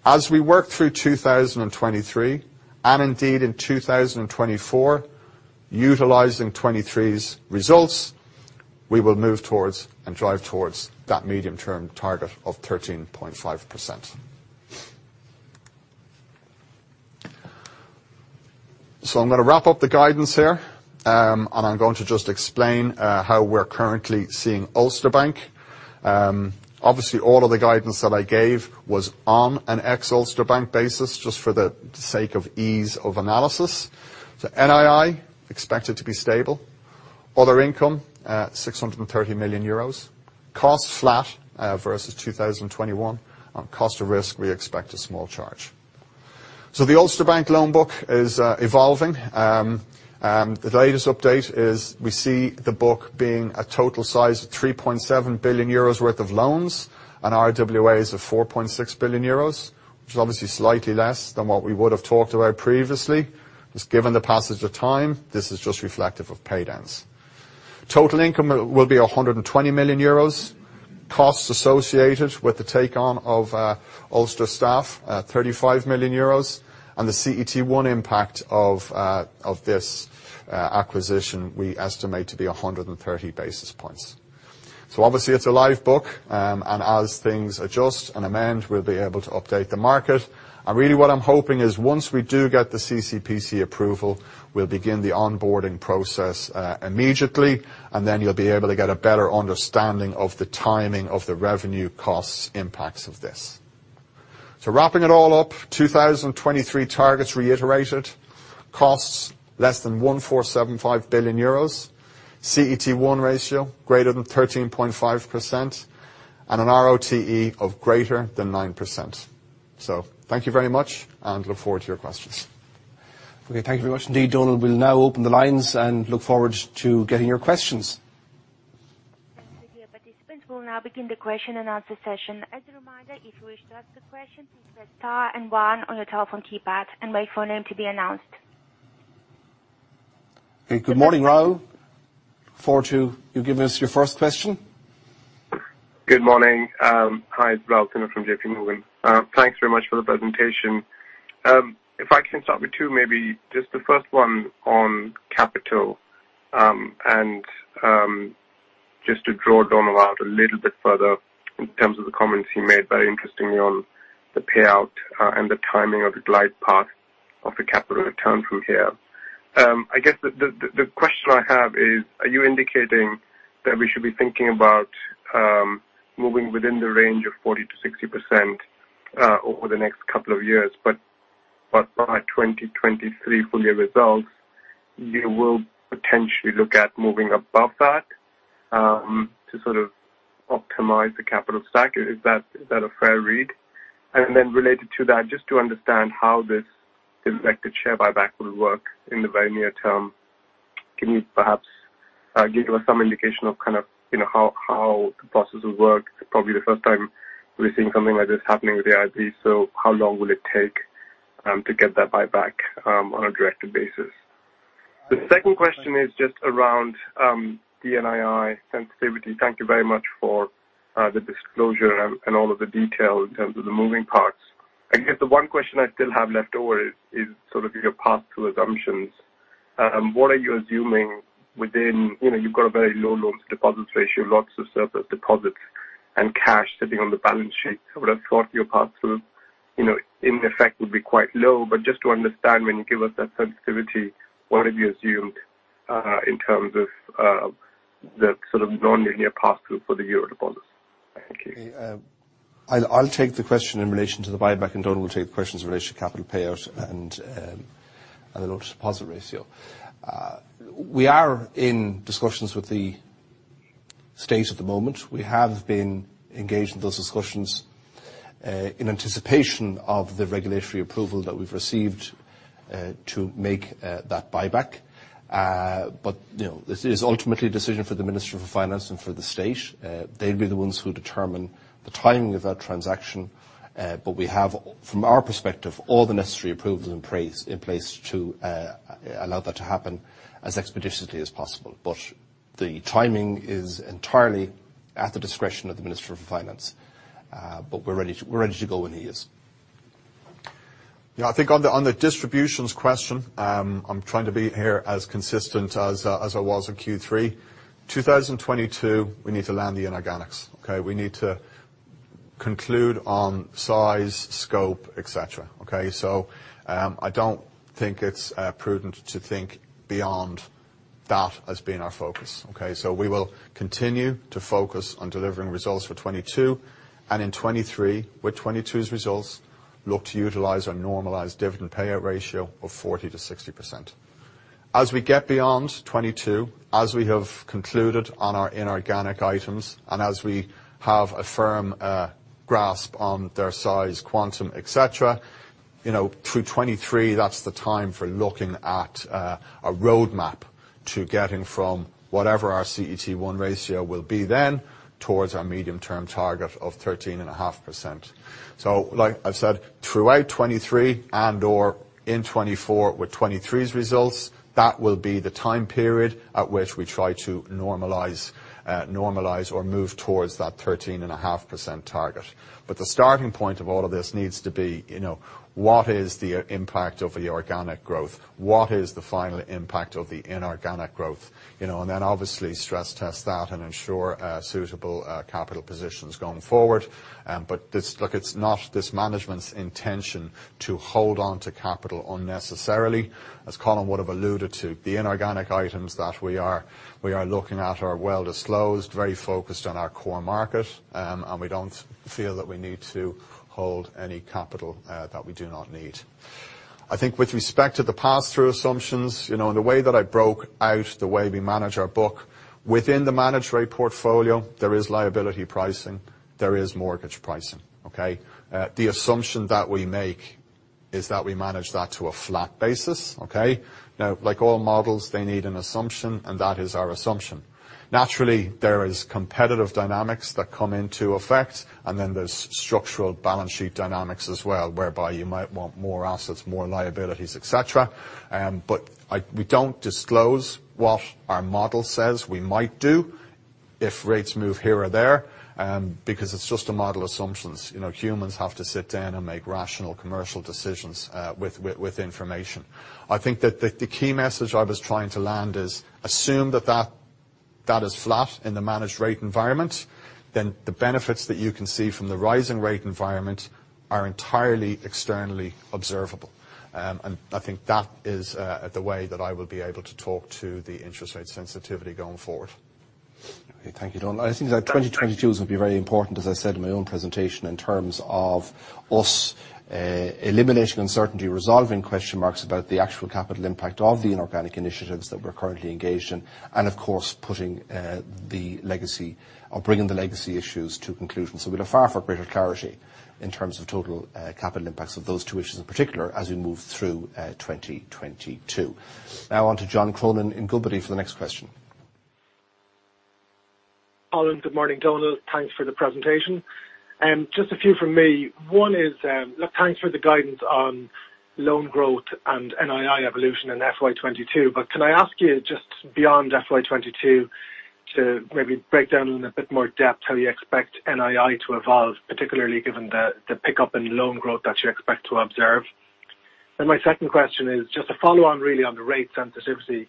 As we work through 2023, and indeed in 2024, utilizing 2023's results, we will move towards and drive towards that medium-term target of 13.5%. I'm gonna wrap up the guidance here, and I'm going to just explain how we're currently seeing Ulster Bank. Obviously all of the guidance that I gave was on an ex-Ulster Bank basis just for the sake of ease of analysis. NII expected to be stable. Other income at 630 million euros. Cost flat versus 2021. On cost of risk, we expect a small charge. The Ulster Bank loan book is evolving. The latest update is we see the book being a total size of 3.7 billion euros worth of loans, and RWAs of 4.6 billion euros, which is obviously slightly less than what we would have talked about previously. Just given the passage of time, this is just reflective of paydowns. Total income will be 120 million euros. Costs associated with the take-on of Ulster staff, 35 million euros. The CET1 impact of this acquisition, we estimate to be 130 basis points. Obviously it's a live book. As things adjust and amend, we'll be able to update the market. Really what I'm hoping is once we do get the CCPC approval, we'll begin the onboarding process immediately, and then you'll be able to get a better understanding of the timing of the revenue costs impacts of this. Wrapping it all up, 2023 targets reiterated. Costs less than 1.475 billion euros. CET1 ratio greater than 13.5%, and an ROTE of greater than 9%. Thank you very much and look forward to your questions. Okay, thank you very much indeed, Donal. We'll now open the lines and look forward to getting your questions. We'll now begin the question and answer session. As a reminder, if you wish to ask a question, please press star and one on your telephone keypad and wait for your name to be announced. Good morning, Raul. Look forward to you giving us your first question. Good morning. Hi, it's Raul Sinha from JPMorgan. Thanks very much for the presentation. If I can start with two maybe. Just the first one on capital, and just to draw Donal out a little bit further in terms of the comments he made, very interestingly, on the payout, and the timing of the glide path of the capital return through here. I guess the question I have is, are you indicating that we should be thinking about moving within the range of 40%-60% over the next couple of years, but by 2023 full year results, you will potentially look at moving above that to sort of optimize the capital stack. Is that a fair read? Related to that, just to understand how this selected share buyback will work in the very near term. Can you perhaps give us some indication of kind of, you know, how the process will work? Probably the first time we're seeing something like this happening with AIB, so how long will it take to get that buyback on a directed basis? The second question is just around the NII sensitivity. Thank you very much for the disclosure and all of the detail in terms of the moving parts. I guess the one question I still have left over is sort of your pass-through assumptions. What are you assuming within? You know, you've got a very low loans to deposits ratio, lots of surplus deposits and cash sitting on the balance sheet. I would have thought your pass-through, you know, in effect would be quite low, but just to understand when you give us that sensitivity, what have you assumed, in terms of, the sort of nonlinear pass-through for the Euro deposits? Thank you. Okay. I'll take the question in relation to the buyback, and Donal will take the questions in relation to capital payout and the loans to deposit ratio. We are in discussions with the state at the moment. We have been engaged in those discussions in anticipation of the regulatory approval that we've received to make that buyback. You know, this is ultimately a decision for the Minister of Finance and for the state. They'd be the ones who determine the timing of that transaction. We have, from our perspective, all the necessary approvals in place to allow that to happen as expeditiously as possible. The timing is entirely at the discretion of the Minister of Finance. We're ready to go when he is. Yeah, I think on the distributions question, I'm trying to be here as consistent as I was in Q3. 2022, we need to land the inorganics, okay? We need to conclude on size, scope, etc., okay? I don't think it's prudent to think beyond that as being our focus, okay? We will continue to focus on delivering results for 2022, and in 2023, with 2022's results, look to utilize our normalized dividend payout ratio of 40%-60%. As we get beyond 2022, as we have concluded on our inorganic items, and as we have a firm grasp on their size, quantum, etc., you know, through 2023, that's the time for looking at a roadmap to getting from whatever our CET1 ratio will be then towards our medium-term target of 13.5%. Like I said, throughout 2023 and/or in 2024 with 2023's results, that will be the time period at which we try to normalize or move towards that 13.5% target. The starting point of all of this needs to be, you know, what is the impact of the organic growth? What is the final impact of the inorganic growth? You know, and then obviously stress test that and ensure suitable capital positions going forward. Look, it's not this management's intention to hold on to capital unnecessarily. As Colin would have alluded to, the inorganic items that we are looking at are well disclosed, very focused on our core market, and we don't feel that we need to hold any capital that we do not need. I think with respect to the pass-through assumptions, you know, and the way that I broke out the way we manage our book, within the managed rate portfolio, there is liability pricing, there is mortgage pricing, okay? The assumption that we make is that we manage that to a flat basis, okay? Now, like all models, they need an assumption, and that is our assumption. Naturally, there is competitive dynamics that come into effect, and then there's structural balance sheet dynamics as well, whereby you might want more assets, more liabilities, etc.. But we don't disclose what our model says we might do if rates move here or there, because it's just a model assumptions. You know, humans have to sit down and make rational commercial decisions, with information. I think that the key message I was trying to land is assume that that is flat in the managed rate environment, then the benefits that you can see from the rising rate environment are entirely externally observable. I think that is the way that I will be able to talk to the interest rate sensitivity going forward. Okay, thank you, Donal. I think that 2022 is gonna be very important, as I said in my own presentation, in terms of us eliminating uncertainty, resolving question marks about the actual capital impact of the inorganic initiatives that we're currently engaged in, and of course, putting the legacy or bringing the legacy issues to conclusion. We look forward to greater clarity in terms of total capital impacts of those two issues in particular as we move through 2022. Now on to John Cronin in Goodbody for the next question. Colin, good morning, Donal. Thanks for the presentation. Just a few from me. One is, look, thanks for the guidance on loan growth and NII evolution in FY 2022. Can I ask you just beyond FY 2022 to maybe break down in a bit more depth how you expect NII to evolve, particularly given the pickup in loan growth that you expect to observe. My second question is just to follow on really on the rate sensitivity.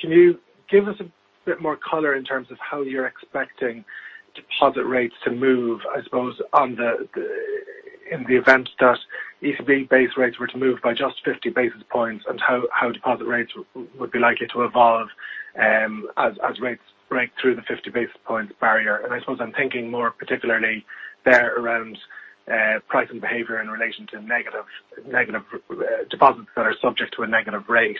Can you give us a bit more color in terms of how you're expecting deposit rates to move, I suppose, in the event that ECB base rates were to move by just 50 basis points, and how deposit rates would be likely to evolve, as rates break through the 50 basis points barrier. I suppose I'm thinking more particularly there around pricing behavior in relation to negative deposits that are subject to a negative rate.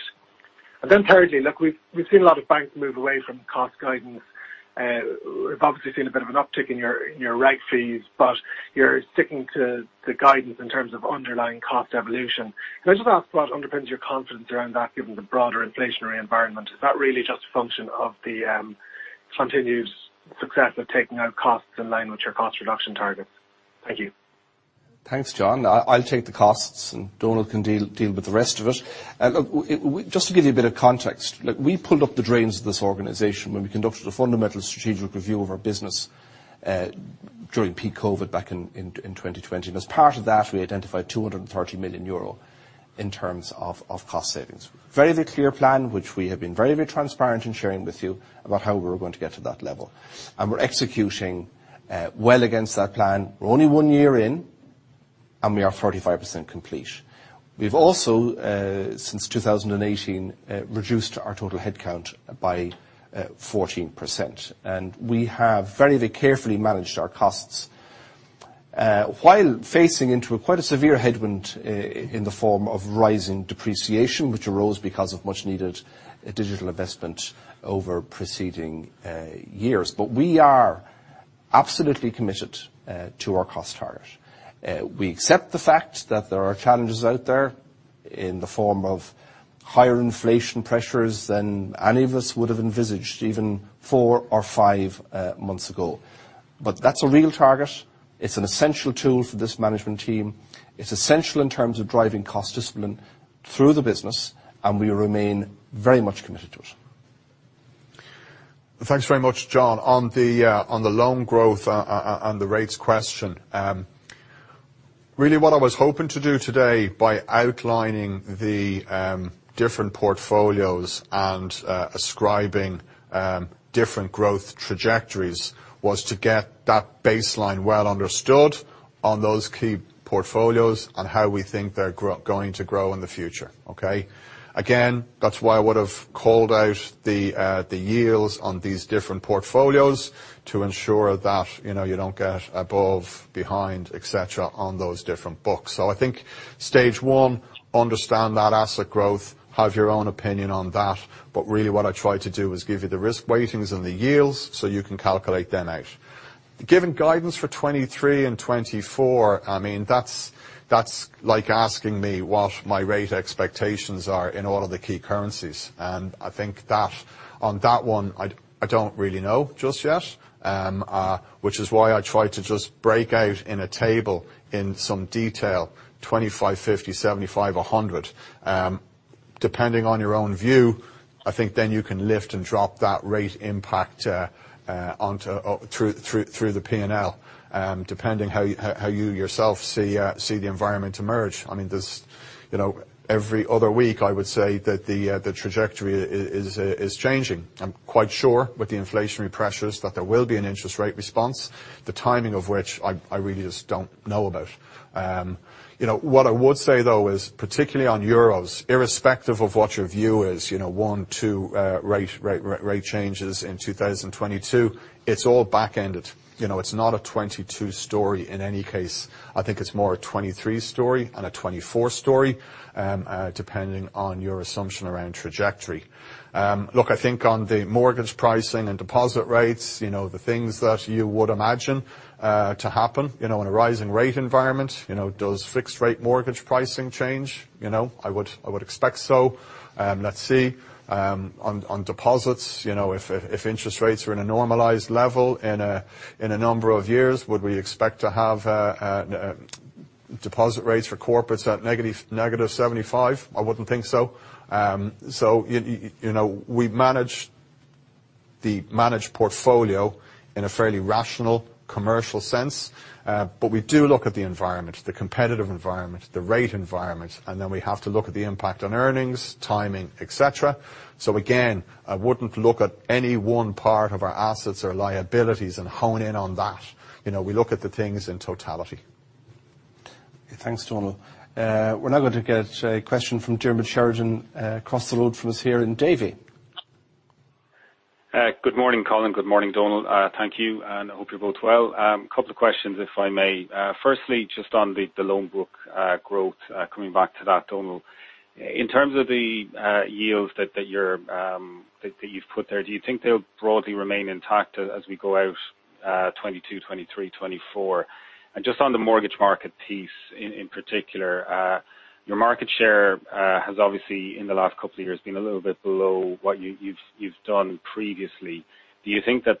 Then thirdly, look, we've seen a lot of banks move away from cost guidance. We've obviously seen a bit of an uptick in your rate fees, but you're sticking to the guidance in terms of underlying cost evolution. Can I just ask what underpins your confidence around that given the broader inflationary environment? Is that really just a function of the continued success of taking out costs in line with your cost reduction targets? Thank you. Thanks, John. I'll take the costs, and Donal can deal with the rest of it. Well, just to give you a bit of context, we pulled up the drains of this organization when we conducted a fundamental strategic review of our business during peak COVID-19 back in 2020. As part of that, we identified 230 million euro in terms of cost savings. Very clear plan, which we have been very transparent in sharing with you about how we were going to get to that level. We're executing well against that plan. We're only one year in, and we are 35% complete. We've also since 2018 reduced our total headcount by 14%. We have very, very carefully managed our costs, while facing into a quite severe headwind in the form of rising depreciation, which arose because of much needed digital investment over preceding years. We are absolutely committed to our cost target. We accept the fact that there are challenges out there in the form of higher inflation pressures than any of us would have envisaged even four or five months ago. That's a real target. It's an essential tool for this management team. It's essential in terms of driving cost discipline through the business, and we remain very much committed to it. Thanks very much, John. On the loan growth and the rates question, really what I was hoping to do today by outlining the different portfolios and ascribing different growth trajectories was to get that baseline well understood on those key portfolios on how we think they're going to grow in the future. Okay? Again, that's why I would have called out the yields on these different portfolios to ensure that, you know, you don't get ahead or behind, etc., on those different books. I think stage one, understand that asset growth, have your own opinion on that. Really what I tried to do was give you the risk weightings and the yields so you can calculate them out. Giving guidance for 2023 and 2024, I mean, that's like asking me what my rate expectations are in all of the key currencies. I think that on that one, I don't really know just yet, which is why I tried to just break out in a table in some detail 25, 50, 75, 100. Depending on your own view, I think then you can lift and drop that rate impact into the P&L, depending how you yourself see the environment emerge. I mean, there's, you know, every other week, I would say that the trajectory is changing. I'm quite sure with the inflationary pressures that there will be an interest rate response, the timing of which I really just don't know about. You know, what I would say, though, is particularly on euros, irrespective of what your view is, you know, one, two rate changes in 2022, it's all back-ended. You know, it's not a 2022 story in any case. I think it's more a 2023 story and a 2024 story, depending on your assumption around trajectory. Look, I think on the mortgage pricing and deposit rates, you know, the things that you would imagine to happen, you know, in a rising rate environment. You know, does fixed rate mortgage pricing change? You know, I would expect so. Let's see. On deposits, you know, if interest rates are in a normalized level in a number of years, would we expect to have deposit rates for corporates at negative 75? I wouldn't think so. You know, we manage the managed portfolio in a fairly rational commercial sense, but we do look at the environment, the competitive environment, the rate environment, and then we have to look at the impact on earnings, timing, etc.. Again, I wouldn't look at any one part of our assets or liabilities and hone in on that. You know, we look at the things in totality. Thanks, Donal. We're now going to get a question from Diarmaid Sheridan across the road from us here in Davy. Good morning, Colin. Good morning, Donal. Thank you, and I hope you're both well. A couple of questions, if I may. Firstly, just on the loan book growth, coming back to that, Donal. In terms of the yields that you've put there, do you think they'll broadly remain intact as we go out, 2022, 2023, 2024? Just on the mortgage market piece in particular, your market share has obviously, in the last couple of years, been a little bit below what you've done previously. Do you think that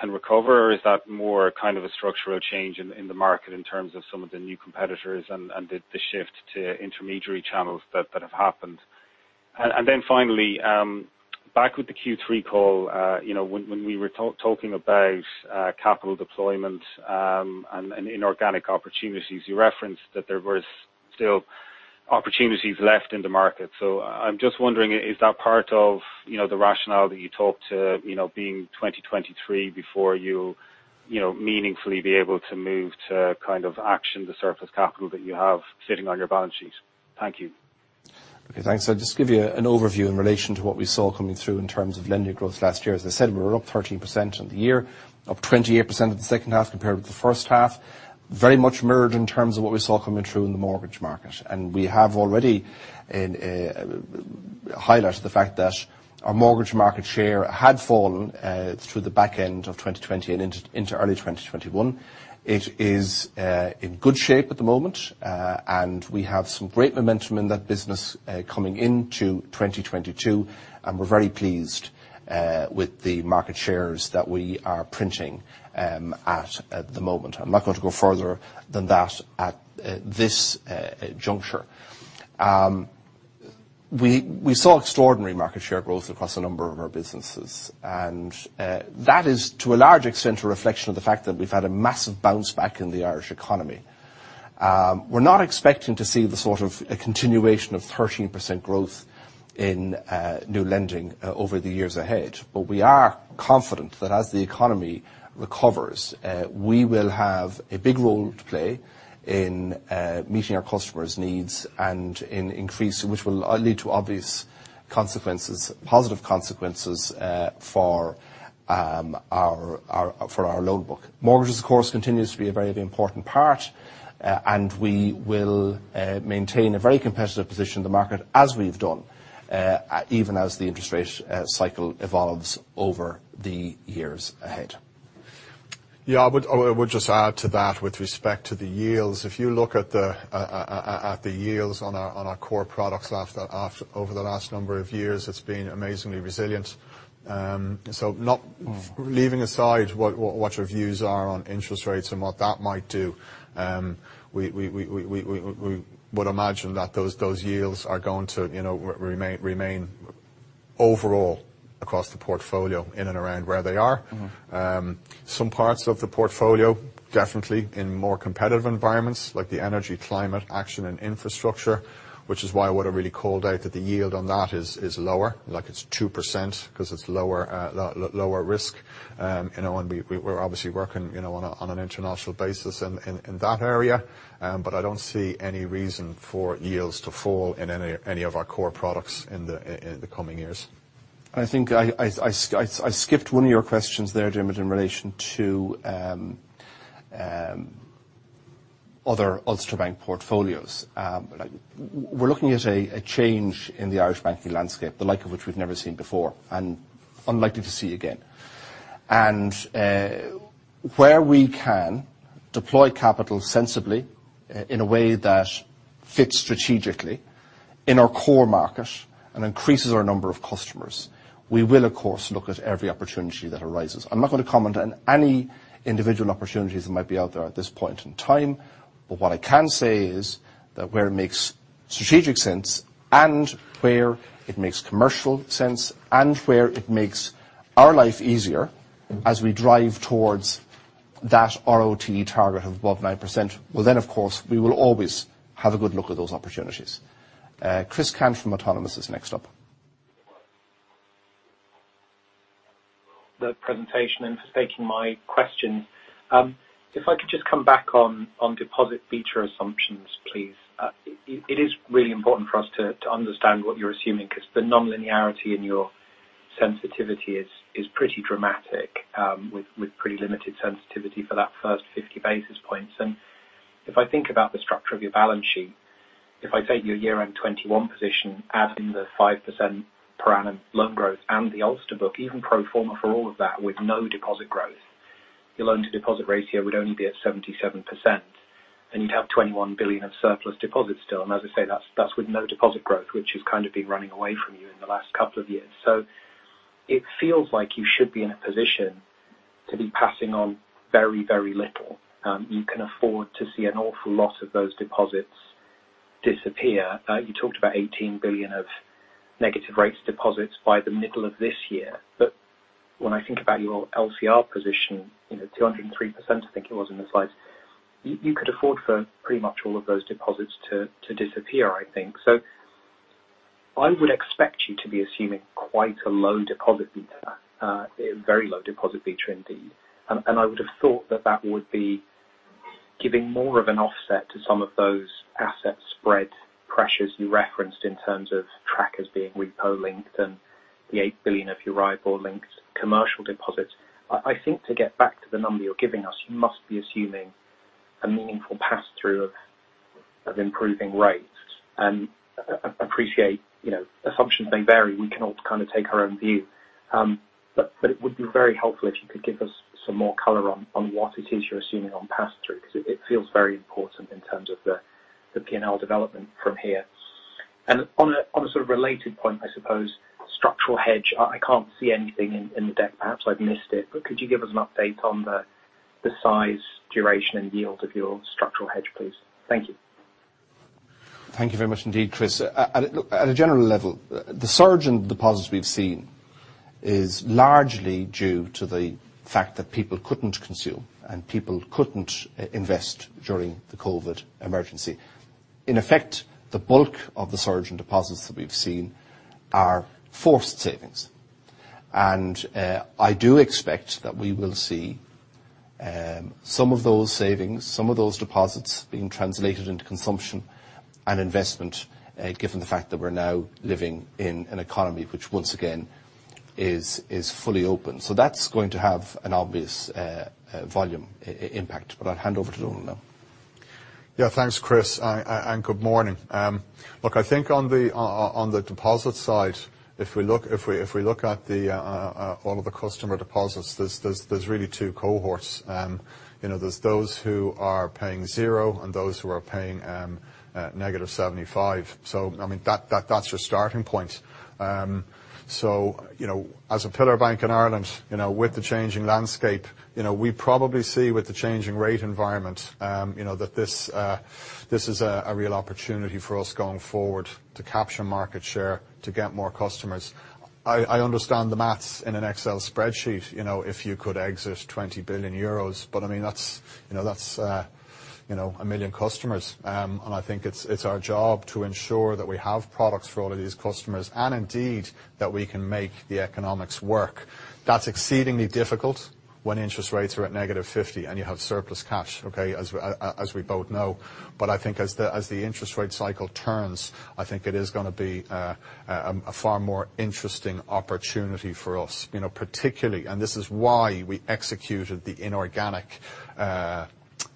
can recover? Or is that more kind of a structural change in the market in terms of some of the new competitors and the shift to intermediary channels that have happened? Then finally, back with the Q3 call, you know, when we were talking about capital deployment and inorganic opportunities, you referenced that there was still opportunities left in the market. I'm just wondering, is that part of, you know, the rationale that you talked to, you know, being 2023 before you know, meaningfully be able to move to kind of action, the surplus capital that you have sitting on your balance sheet? Thank you. Okay, thanks. I'll just give you an overview in relation to what we saw coming through in terms of lending growth last year. As I said, we were up 13% on the year, up 28% in the second half compared with the first half. Very much mirrored in terms of what we saw coming through in the mortgage market. We have already highlighted the fact that our mortgage market share had fallen through the back end of 2020 and into early 2021. It is in good shape at the moment. We have some great momentum in that business coming into 2022, and we're very pleased with the market shares that we are printing at the moment. I'm not going to go further than that at this juncture. We saw extraordinary market share growth across a number of our businesses, and that is to a large extent a reflection of the fact that we've had a massive bounce back in the Irish economy. We're not expecting to see the sort of a continuation of 13% growth in new lending over the years ahead. We are confident that as the economy recovers, we will have a big role to play in meeting our customers' needs and an increase, which will lead to obvious consequences, positive consequences for our loan book. Mortgages, of course, continues to be a very important part, and we will maintain a very competitive position in the market as we've done even as the interest rate cycle evolves over the years ahead. Yeah. I would just add to that with respect to the yields. If you look at the yields on our core products over the last a number of years, it's been amazingly resilient. Not leaving aside what your views are on interest rates and what that might do, we would imagine that those yields are going to, you know, remain overall across the portfolio in and around where they are. Mm-hmm. Some parts of the portfolio, definitely in more competitive environments like the energy, climate, action and infrastructure, which is why I would have really called out that the yield on that is lower, like it's 2% because it's lower risk. You know, and we're obviously working, you know, on an international basis in that area. But I don't see any reason for yields to fall in any of our core products in the coming years. I think I skipped one of your questions there, Jamie, in relation to other Ulster Bank portfolios. We're looking at a change in the Irish banking landscape, the like of which we've never seen before and unlikely to see again. Where we can deploy capital sensibly in a way that fits strategically in our core market and increases our number of customers, we will, of course, look at every opportunity that arises. I'm not gonna comment on any individual opportunities that might be out there at this point in time, but what I can say is that where it makes strategic sense, and where it makes commercial sense, and where it makes our life easier as we drive towards that ROTE target of above 9%, well, then, of course, we will always have a good look at those opportunities. Chris Cant from Autonomous is next up. the presentation and for taking my question. If I could just come back on deposit beta assumptions, please. It is really important for us to understand what you're assuming because the nonlinearity in your sensitivity is pretty dramatic, with pretty limited sensitivity for that first 50 basis points. If I think about the structure of your balance sheet, if I take your year-end 2021 position, add in the 5% per annum loan growth and the Ulster book, even pro forma for all of that with no deposit growth, your loan to deposit ratio would only be at 77%, and you'd have 21 billion of surplus deposits still. As I say, that's with no deposit growth, which has kind of been running away from you in the last couple of years. It feels like you should be in a position to be passing on very, very little. You can afford to see an awful lot of those deposits disappear. You talked about 18 billion of negative rates deposits by the middle of this year. When I think about your LCR position, you know, 203%, I think it was in the slides, you could afford for pretty much all of those deposits to disappear, I think. I would expect you to be assuming quite a low deposit beta, a very low deposit beta indeed. I would have thought that that would be giving more of an offset to some of those asset spread pressures you referenced in terms of trackers being repo linked and the 8 billion of your IBOR-linked commercial deposits. I think to get back to the number you're giving us, you must be assuming a meaningful pass-through of improving rates. Appreciate, you know, assumptions may vary. We can all kind of take our own view. It would be very helpful if you could give us some more color on what it is you're assuming on pass-through, 'cause it feels very important in terms of the P&L development from here. On a sort of related point, I suppose, structural hedge, I can't see anything in the deck. Perhaps I've missed it. Could you give us an update on the size, duration, and yield of your structural hedge, please? Thank you. Thank you very much indeed, Chris. At a general level, the surge in deposits we've seen is largely due to the fact that people couldn't consume and people couldn't invest during the COVID emergency. In effect, the bulk of the surge in deposits that we've seen are forced savings. I do expect that we will see some of those savings, some of those deposits being translated into consumption and investment, given the fact that we're now living in an economy which once again is fully open. That's going to have an obvious volume impact. I'll hand over to Donal now. Yeah. Thanks, Chris, and good morning. Look, I think on the deposit side, if we look at all of the customer deposits, there's really two cohorts. You know, there's those who are paying zero and those who are paying negative seventy-five. I mean, that's your starting point. You know, as a pillar bank in Ireland, you know, with the changing landscape, you know, we probably see with the changing rate environment, you know, that this is a real opportunity for us going forward to capture market share, to get more customers. I understand the math in an Excel spreadsheet, you know, if you could exit 20 billion euros, but I mean, that's you know, that's 1 million customers. I think it's our job to ensure that we have products for all of these customers, and indeed, that we can make the economics work. That's exceedingly difficult when interest rates are at negative 50 and you have surplus cash, okay, as we both know. I think as the interest rate cycle turns, I think it is gonna be a far more interesting opportunity for us, you know, particularly, and this is why we executed the inorganic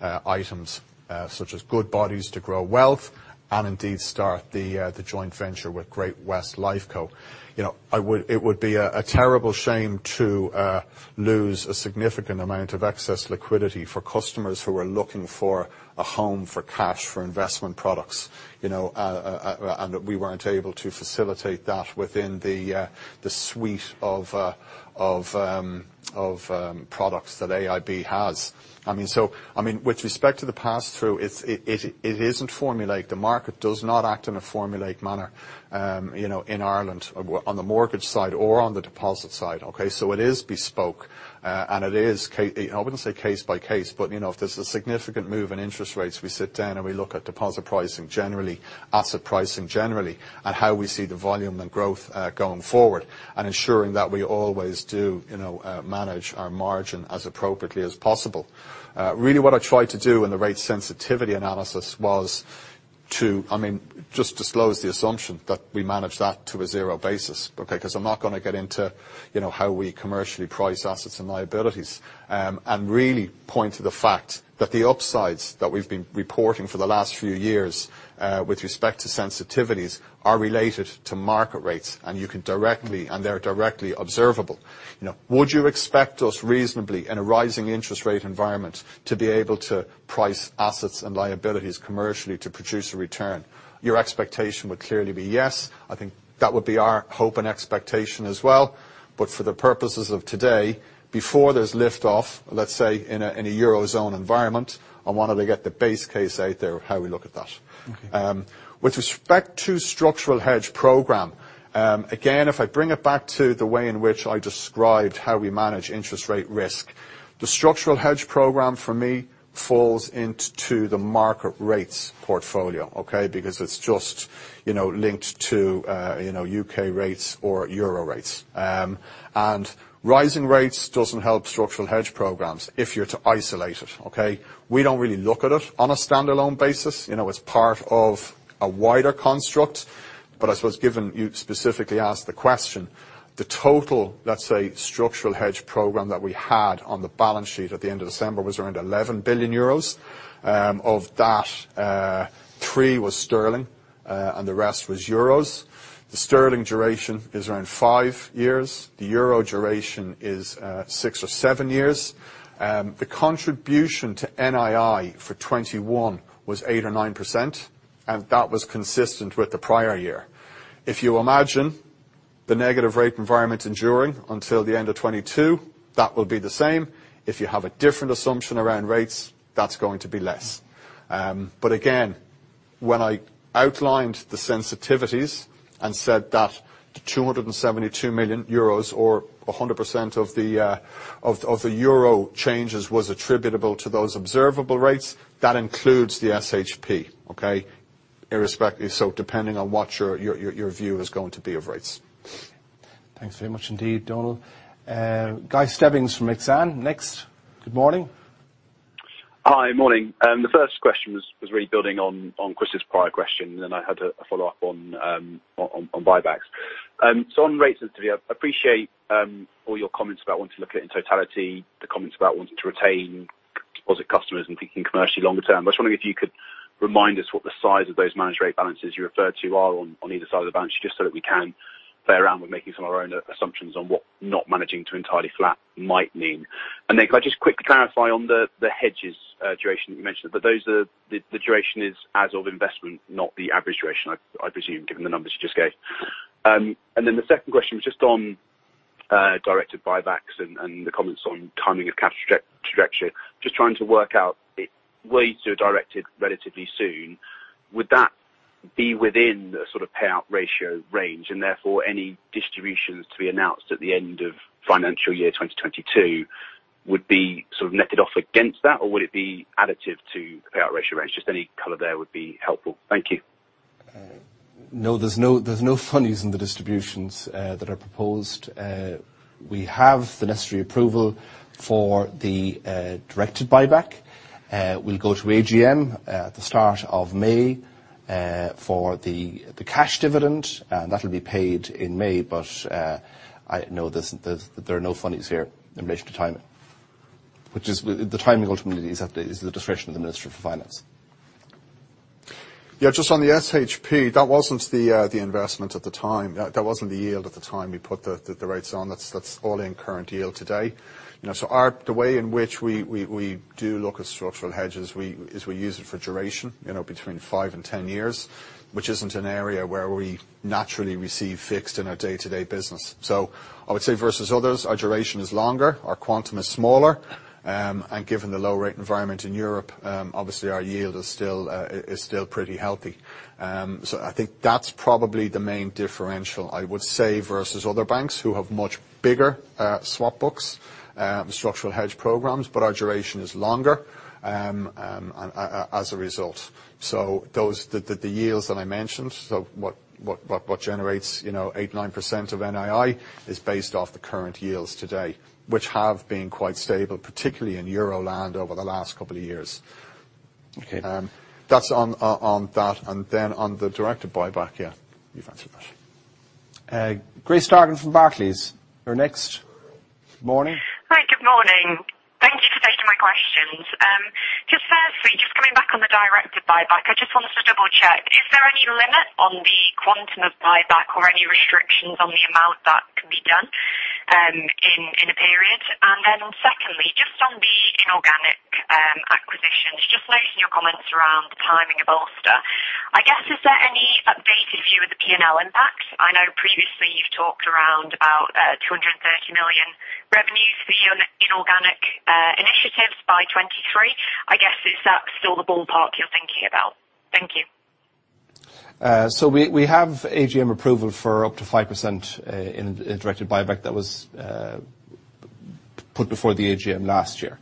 items such as Goodbody to grow wealth, and indeed start the joint venture with Great-West Lifeco. You know, it would be a terrible shame to lose a significant amount of excess liquidity for customers who are looking for a home for cash, for investment products, you know, and we weren't able to facilitate that within the suite of products that AIB has. I mean, with respect to the pass-through, it isn't formulaic. The market does not act in a formulaic manner, you know, in Ireland on the mortgage side or on the deposit side, okay? It is bespoke, and I wouldn't say case by case, but, you know, if there's a significant move in interest rates, we sit down and we look at deposit pricing generally, asset pricing generally, and how we see the volume and growth, going forward, and ensuring that we always do, you know, manage our margin as appropriately as possible. Really what I tried to do in the rate sensitivity analysis was to, I mean, just disclose the assumption that we manage that to a zero basis, okay? 'Cause I'm not gonna get into, you know, how we commercially price assets and liabilities, and really point to the fact that the upsides that we've been reporting for the last few years, with respect to sensitivities are related to market rates, and you can directly, and they're directly observable. You know, would you expect us reasonably in a rising interest rate environment to be able to price assets and liabilities commercially to produce a return? Your expectation would clearly be yes. I think that would be our hope and expectation as well. For the purposes of today, before there's lift off, let's say, in a eurozone environment, I wanted to get the base case out there of how we look at that. Okay. With respect to structural hedge program, again, if I bring it back to the way in which I described how we manage interest rate risk, the structural hedge program for me falls into the market rates portfolio, okay? Because it's just, you know, linked to, you know, U.K. rates or euro rates. Rising rates doesn't help structural hedge programs if you're to isolate it, okay? We don't really look at it on a standalone basis. You know, it's part of a wider construct. I suppose given you specifically asked the question, the total, let's say, structural hedge program that we had on the balance sheet at the end of December was around 11 billion euros. Of that, 3 billion was sterling, and the rest was euros. The sterling duration is around 5 years. The euro duration is 6 or 7 years. The contribution to NII for 2021 was 8%-9%, and that was consistent with the prior year. If you imagine the negative rate environment enduring until the end of 2022, that will be the same. If you have a different assumption around rates, that's going to be less. But again, when I outlined the sensitivities and said that the 272 million euros or 100% of the euro changes was attributable to those observable rates, that includes the SHP, okay? Irrespective, so depending on what your view is going to be of rates. Thanks very much indeed, Donal. Guy Stebbings from Exane next. Good morning. Hi. Morning. The first question was really building on Chris's prior question. I had a follow-up on buybacks. On rates today, I appreciate all your comments about wanting to look at it in totality, the comments about wanting to retain deposit customers and thinking commercially longer term. I was wondering if you could remind us what the size of those managed rate balances you referred to are on either side of the bench, just so that we can play around with making some of our own assumptions on what not managing to entirely flat might mean. Could I just quickly clarify on the hedges duration you mentioned, that the duration is as of investment, not the average duration, I presume, given the numbers you just gave. The second question was just on directed buybacks and the comments on timing of cash structure. Just trying to work out if they are directed relatively soon, would that be within the sort of payout ratio range, and therefore any distributions to be announced at the end of financial year 2022 would be sort of netted off against that? Or would it be additive to the payout ratio range? Just any color there would be helpful. Thank you. No, there's no funnies in the distributions that are proposed. We have the necessary approval for the directed buyback. We'll go to AGM at the start of May for the cash dividend, and that'll be paid in May. I know there are no funnies here in relation to timing, which ultimately is at the discretion of the Minister of Finance. Yeah, just on the SHP, that wasn't the investment at the time. That wasn't the yield at the time we put the rates on. That's all in current yield today. You know, so the way in which we do look at structural hedges is we use it for duration, you know, between five and 10 years, which isn't an area where we naturally receive fixed in our day-to-day business. So I would say versus others, our duration is longer, our quantum is smaller, and given the low rate environment in Europe, obviously our yield is still pretty healthy. So I think that's probably the main differential, I would say, versus other banks who have much bigger swap books, structural hedge programs, but our duration is longer as a result. Those yields that I mentioned, so what generates, you know, 8%-9% of NII is based off the current yields today, which have been quite stable, particularly in euro land over the last couple of years. Okay. That's on that. On the directed buyback, yeah, you've answered that. Grace Dargan from Barclays, you're next. Morning. Hi, good morning. Thank you for taking my questions. Just firstly, just coming back on the directed buyback, I just wanted to double-check. Is there any limit on the quantum of buyback or any restrictions on the amount that can be done in a period? Secondly, just on the inorganic acquisitions, just noting your comments around the timing of Ulster. I guess, is there any updated view of the P&L impact? I know previously you've talked around about 230 million revenues for your inorganic initiatives by 2023. I guess, is that still the ballpark you're thinking about? Thank you. We have AGM approval for up to 5% in directed buyback that was put before the AGM last year.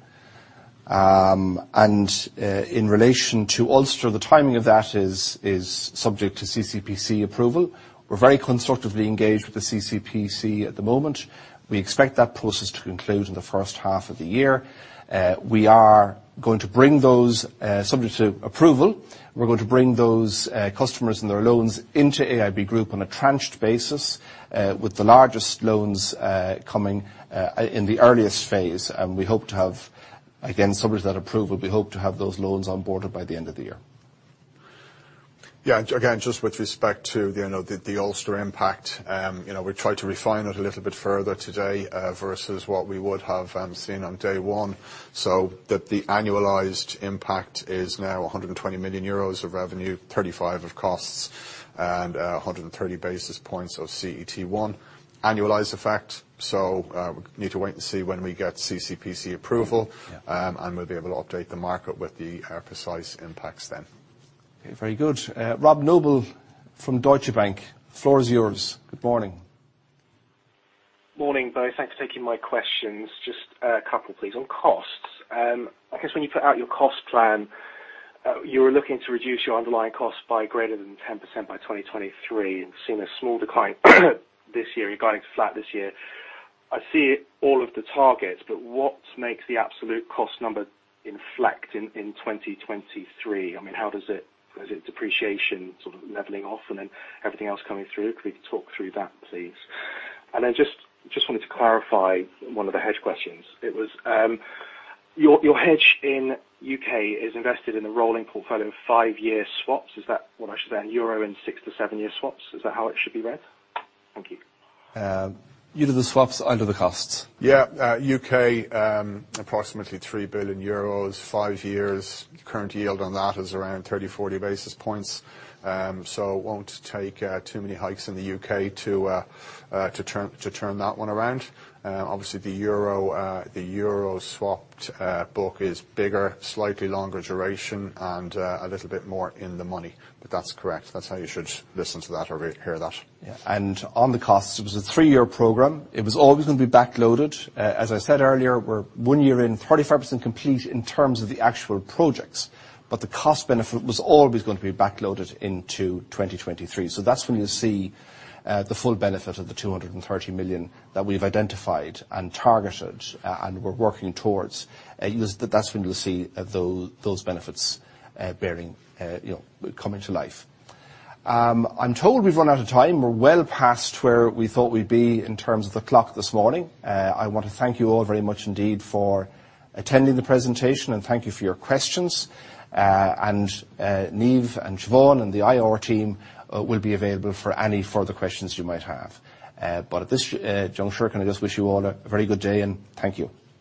In relation to Ulster, the timing of that is subject to CCPC approval. We're very constructively engaged with the CCPC at the moment. We expect that process to conclude in the first half of the year. We are going to bring those customers and their loans into AIB Group on a tranched basis, subject to approval, with the largest loans coming in the earliest phase. We hope to have those loans onboarded by the end of the year, again, subject to that approval. Again, just with respect to the Ulster impact, we tried to refine it a little bit further today, versus what we would have seen on day one, so that the annualized impact is now 120 million euros of revenue, 35 million of costs, and 130 basis points of CET1 annualized effect. We need to wait and see when we get CCPC approval. Yeah. We'll be able to update the market with the precise impacts then. Okay, very good. Robert Noble from Deutsche Bank, floor is yours. Good morning. Morning, both. Thanks for taking my questions. Just a couple, please. On costs, I guess when you put out your cost plan, you were looking to reduce your underlying cost by greater than 10% by 2023 and seeing a small decline this year regarding flat this year. I see all of the targets, but what makes the absolute cost number inflect in 2023? I mean, how does it, is it depreciation sort of leveling off and then everything else coming through? Could we talk through that, please? Just wanted to clarify one of the hedge questions. It was, your hedge in U.K. is invested in a rolling portfolio of 5-year swaps. Is that what I should say? In euro and 6 to 7 year swaps, is that how it should be read? Thank you. You do the swaps, I'll do the costs. Yeah. U.K., approximately 3 billion euros, 5 years. Current yield on that is around 30-40 basis points, so won't take too many hikes in the U.K. to turn that one around. Obviously the Euro swapped book is bigger, slightly longer duration and a little bit more in the money. But that's correct. That's how you should listen to that or hear that. On the costs, it was a three-year program. It was always gonna be backloaded. As I said earlier, we're one year in, 35% complete in terms of the actual projects, but the cost benefit was always gonna be backloaded into 2023. That's when you'll see the full benefit of the 230 million that we've identified and targeted, and we're working towards. That's when you'll see those benefits, you know, coming to life. I'm told we've run out of time. We're well past where we thought we'd be in terms of the clock this morning. I want to thank you all very much indeed for attending the presentation and thank you for your questions. Niamh and Siobhan and the IR team will be available for any further questions you might have. At this juncture, can I just wish you all a very good day, and thank you.